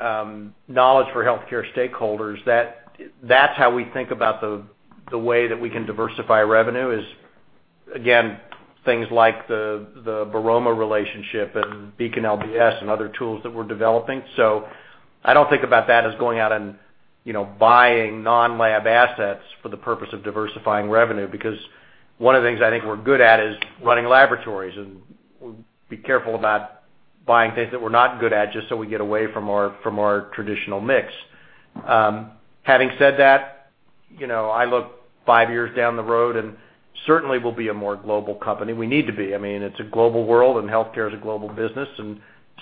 knowledge for healthcare stakeholders, that's how we think about the way that we can diversify revenue is, again, things like the Baroma relationship and Beacon LBS and other tools that we're developing. I don't think about that as going out and buying non-lab assets for the purpose of diversifying revenue because one of the things I think we're good at is running laboratories. We'll be careful about buying things that we're not good at just so we get away from our traditional mix. Having said that, I look five years down the road and certainly we'll be a more global company. We need to be. I mean, it's a global world and healthcare is a global business.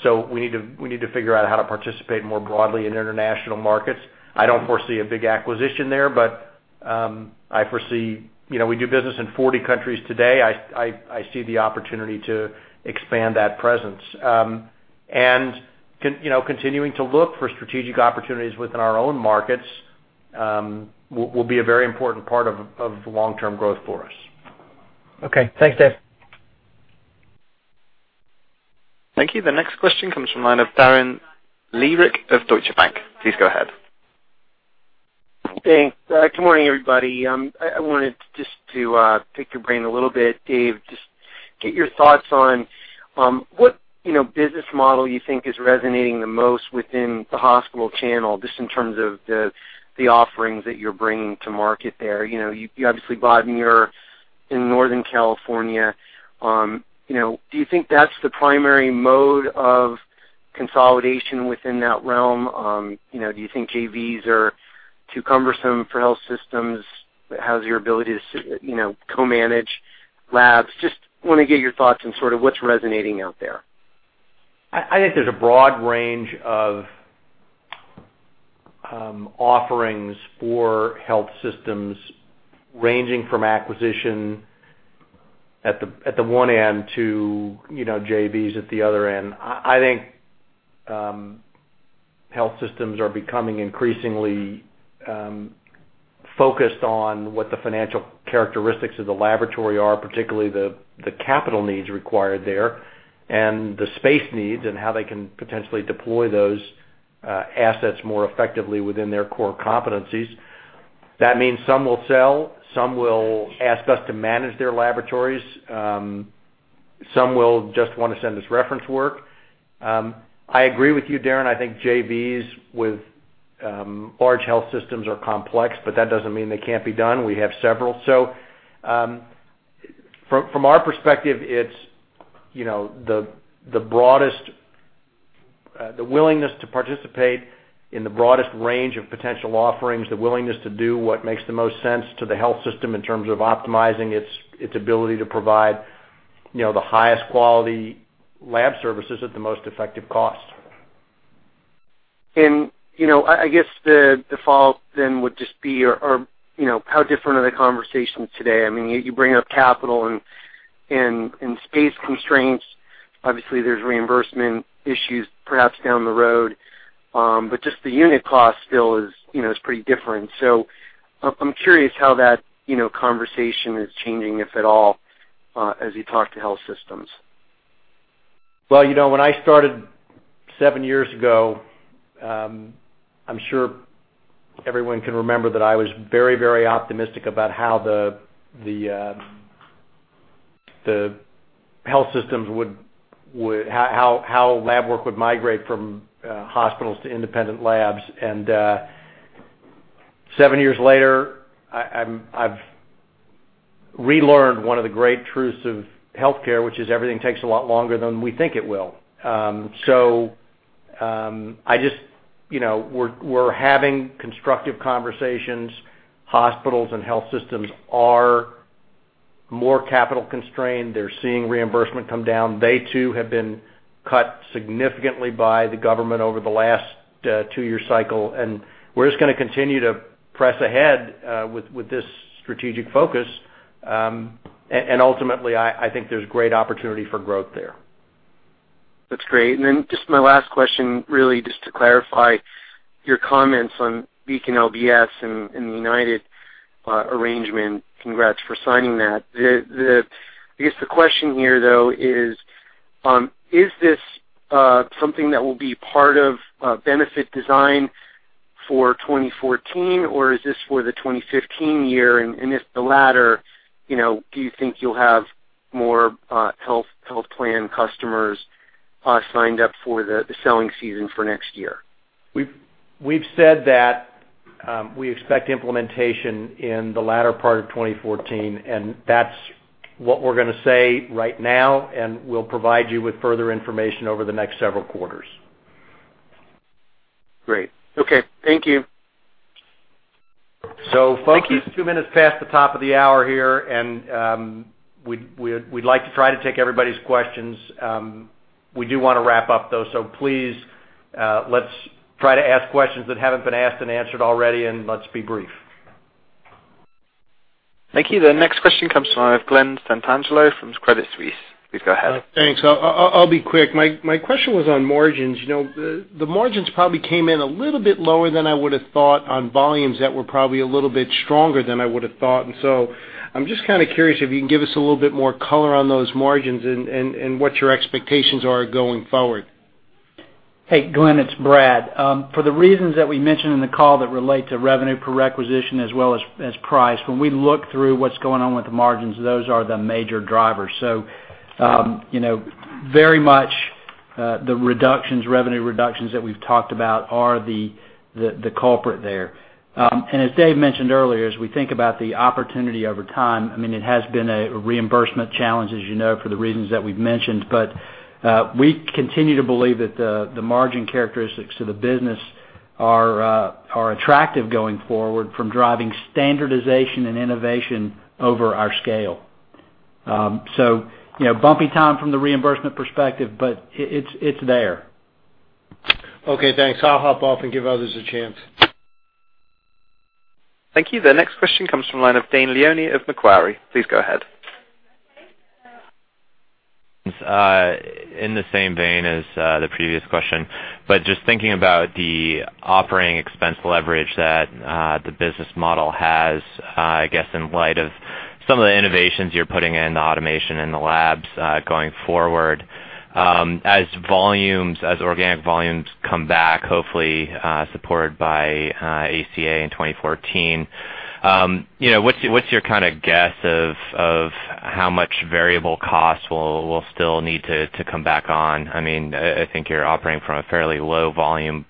We need to figure out how to participate more broadly in international markets. I do not foresee a big acquisition there, but I foresee we do business in 40 countries today. I see the opportunity to expand that presence. Continuing to look for strategic opportunities within our own markets will be a very important part of long-term growth for us. Okay. Thanks, Dave. Thank you. The next question comes from the line of Darren Learick of Deutsche Bank. Please go ahead. Thanks. Good morning, everybody. I wanted just to pick your brain a little bit, Dave. Just get your thoughts on what business model you think is resonating the most within the hospital channel just in terms of the offerings that you're bringing to market there. You obviously bought in Northern California. Do you think that's the primary mode of consolidation within that realm? Do you think JVs are too cumbersome for health systems? How's your ability to co-manage labs? Just want to get your thoughts on sort of what's resonating out there. I think there's a broad range of offerings for health systems ranging from acquisition at the one end to JVs at the other end. I think health systems are becoming increasingly focused on what the financial characteristics of the laboratory are, particularly the capital needs required there and the space needs and how they can potentially deploy those assets more effectively within their core competencies. That means some will sell, some will ask us to manage their laboratories, some will just want to send us reference work. I agree with you, Darren. I think JVs with large health systems are complex, but that doesn't mean they can't be done. We have several. From our perspective, it's the willingness to participate in the broadest range of potential offerings, the willingness to do what makes the most sense to the health system in terms of optimizing its ability to provide the highest quality lab services at the most effective cost. I guess the follow-up then would just be how different are the conversations today? I mean, you bring up capital and space constraints. Obviously, there's reimbursement issues perhaps down the road. Just the unit cost still is pretty different. I'm curious how that conversation is changing, if at all, as you talk to health systems. When I started seven years ago, I'm sure everyone can remember that I was very, very optimistic about how the health systems would, how lab work would migrate from hospitals to independent labs. Seven years later, I've relearned one of the great truths of healthcare, which is everything takes a lot longer than we think it will. I just, we're having constructive conversations. Hospitals and health systems are more capital constrained. They're seeing reimbursement come down. They too have been cut significantly by the government over the last two-year cycle. We're just going to continue to press ahead with this strategic focus. Ultimately, I think there's great opportunity for growth there. That's great. Then just my last question, really just to clarify your comments on Beacon LBS and the United arrangement. Congrats for signing that. I guess the question here, though, is is this something that will be part of benefit design for 2014, or is this for the 2015 year? If the latter, do you think you'll have more health plan customers signed up for the selling season for next year? We've said that we expect implementation in the latter part of 2014. That's what we're going to say right now. We'll provide you with further information over the next several quarters. Great. Okay. Thank you. So folks. Thank you. Two minutes past the top of the hour here. We would like to try to take everybody's questions. We do want to wrap up, though. Please let's try to ask questions that have not been asked and answered already. Let's be brief. Thank you. The next question comes from Glenn Santangelo from Credit Suisse. Please go ahead. Thanks. I'll be quick. My question was on margins. The margins probably came in a little bit lower than I would have thought on volumes that were probably a little bit stronger than I would have thought. I'm just kind of curious if you can give us a little bit more color on those margins and what your expectations are going forward. Hey, Glenn, it's Brad. For the reasons that we mentioned in the call that relate to revenue per requisition as well as price, when we look through what's going on with the margins, those are the major drivers. Very much the reductions, revenue reductions that we've talked about are the culprit there. As Dave mentioned earlier, as we think about the opportunity over time, I mean, it has been a reimbursement challenge, as you know, for the reasons that we've mentioned. We continue to believe that the margin characteristics to the business are attractive going forward from driving standardization and innovation over our scale. Bumpy time from the reimbursement perspective, but it's there. Okay. Thanks. I'll hop off and give others a chance. Thank you. The next question comes from the line of Dane Leone of Macquarie. Please go ahead. In the same vein as the previous question, but just thinking about the operating expense leverage that the business model has, I guess, in light of some of the innovations you're putting in the automation in the labs going forward, as organic volumes come back, hopefully supported by ACA in 2014, what's your kind of guess of how much variable cost we'll still need to come back on? I mean, I think you're operating from a fairly low volume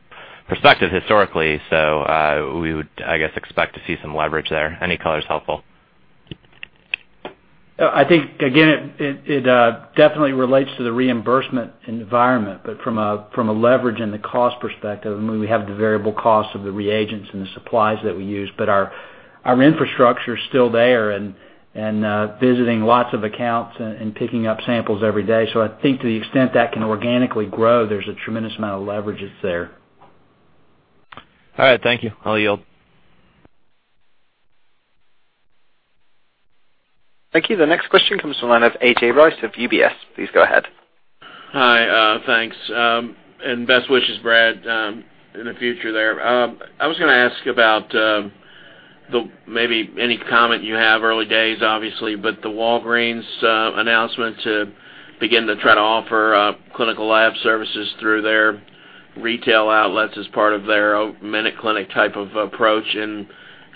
perspective historically. So we would, I guess, expect to see some leverage there. Any color is helpful. I think, again, it definitely relates to the reimbursement environment, but from a leverage and the cost perspective, I mean, we have the variable cost of the reagents and the supplies that we use. Our infrastructure is still there and visiting lots of accounts and picking up samples every day. I think to the extent that can organically grow, there's a tremendous amount of leverage that's there. All right. Thank you. I'll yield. Thank you. The next question comes from the line of A.J. Rice of UBS. Please go ahead. Hi. Thanks. And best wishes, Brad, in the future there. I was going to ask about maybe any comment you have early days, obviously, but the Walgreens announcement to begin to try to offer clinical lab services through their retail outlets as part of their minute clinic type of approach.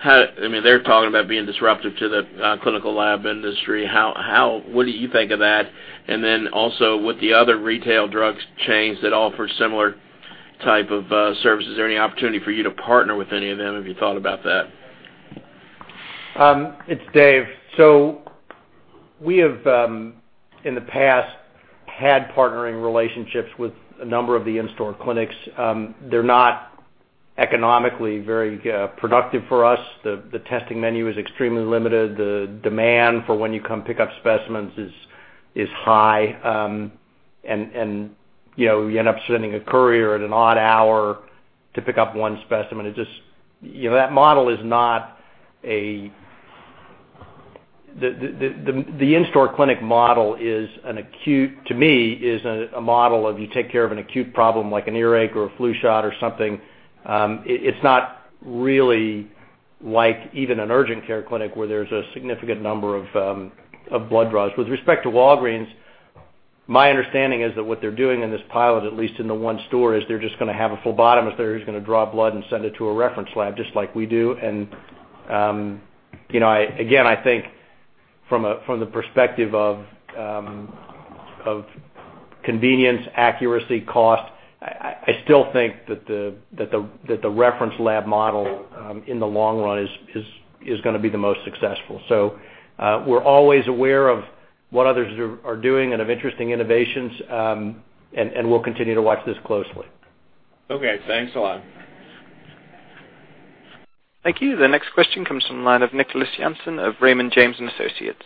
I mean, they're talking about being disruptive to the clinical lab industry. What do you think of that? And then also with the other retail drug chains that offer similar type of services, is there any opportunity for you to partner with any of them if you thought about that? It's Dave. We have, in the past, had partnering relationships with a number of the in-store clinics. They're not economically very productive for us. The testing menu is extremely limited. The demand for when you come pick up specimens is high. You end up sending a courier at an odd hour to pick up one specimen. That model is not a—the in-store clinic model is an acute, to me, is a model of you take care of an acute problem like an earache or a flu shot or something. It's not really like even an urgent care clinic where there's a significant number of blood draws. With respect to Walgreens, my understanding is that what they're doing in this pilot, at least in the one store, is they're just going to have a phlebotomist. They're just going to draw blood and send it to a reference lab just like we do. I think from the perspective of convenience, accuracy, cost, I still think that the reference lab model in the long run is going to be the most successful. We're always aware of what others are doing and of interesting innovations. We'll continue to watch this closely. Okay. Thanks a lot. Thank you. The next question comes from the line of Nicholas Jansen of Raymond James and Associates.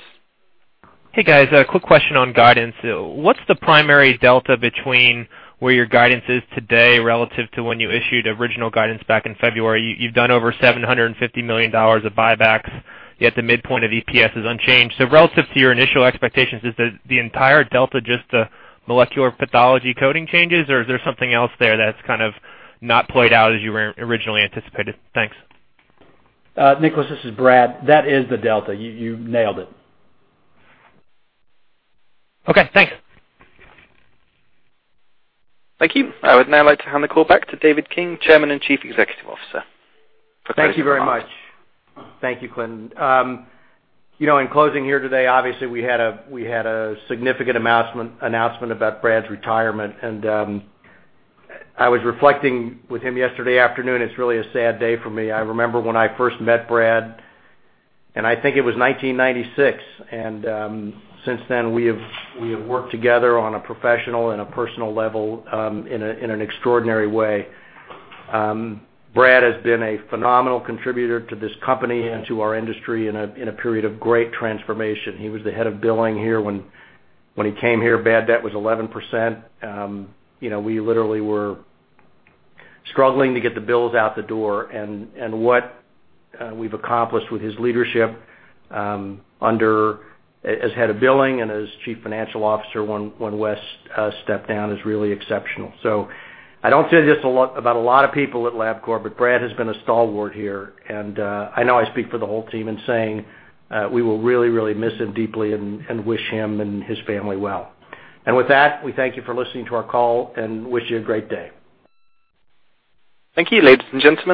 Hey, guys. Quick question on guidance. What's the primary delta between where your guidance is today relative to when you issued original guidance back in February? You've done over $750 million of buybacks. Yet the midpoint of EPS is unchanged. So relative to your initial expectations, is the entire delta just the molecular pathology coding changes, or is there something else there that's kind of not played out as you originally anticipated? Thanks. Nicholas, this is Brad. That is the delta. You nailed it. Okay. Thanks. Thank you. I would now like to hand the call back to David King, Chairman and Chief Executive Officer. Thank you very much. Thank you, Clinton. In closing here today, obviously, we had a significant announcement about Brad's retirement. I was reflecting with him yesterday afternoon. It's really a sad day for me. I remember when I first met Brad, and I think it was 1996. Since then, we have worked together on a professional and a personal level in an extraordinary way. Brad has been a phenomenal contributor to this company and to our industry in a period of great transformation. He was the head of billing here when he came here. Bad debt was 11%. We literally were struggling to get the bills out the door. What we've accomplished with his leadership as head of billing and as Chief Financial Officer when West stepped down is really exceptional. I don't say this about a lot of people at Labcorp, but Brad has been a stalwart here. I know I speak for the whole team in saying we will really, really miss him deeply and wish him and his family well. With that, we thank you for listening to our call and wish you a great day. Thank you, ladies and gentlemen.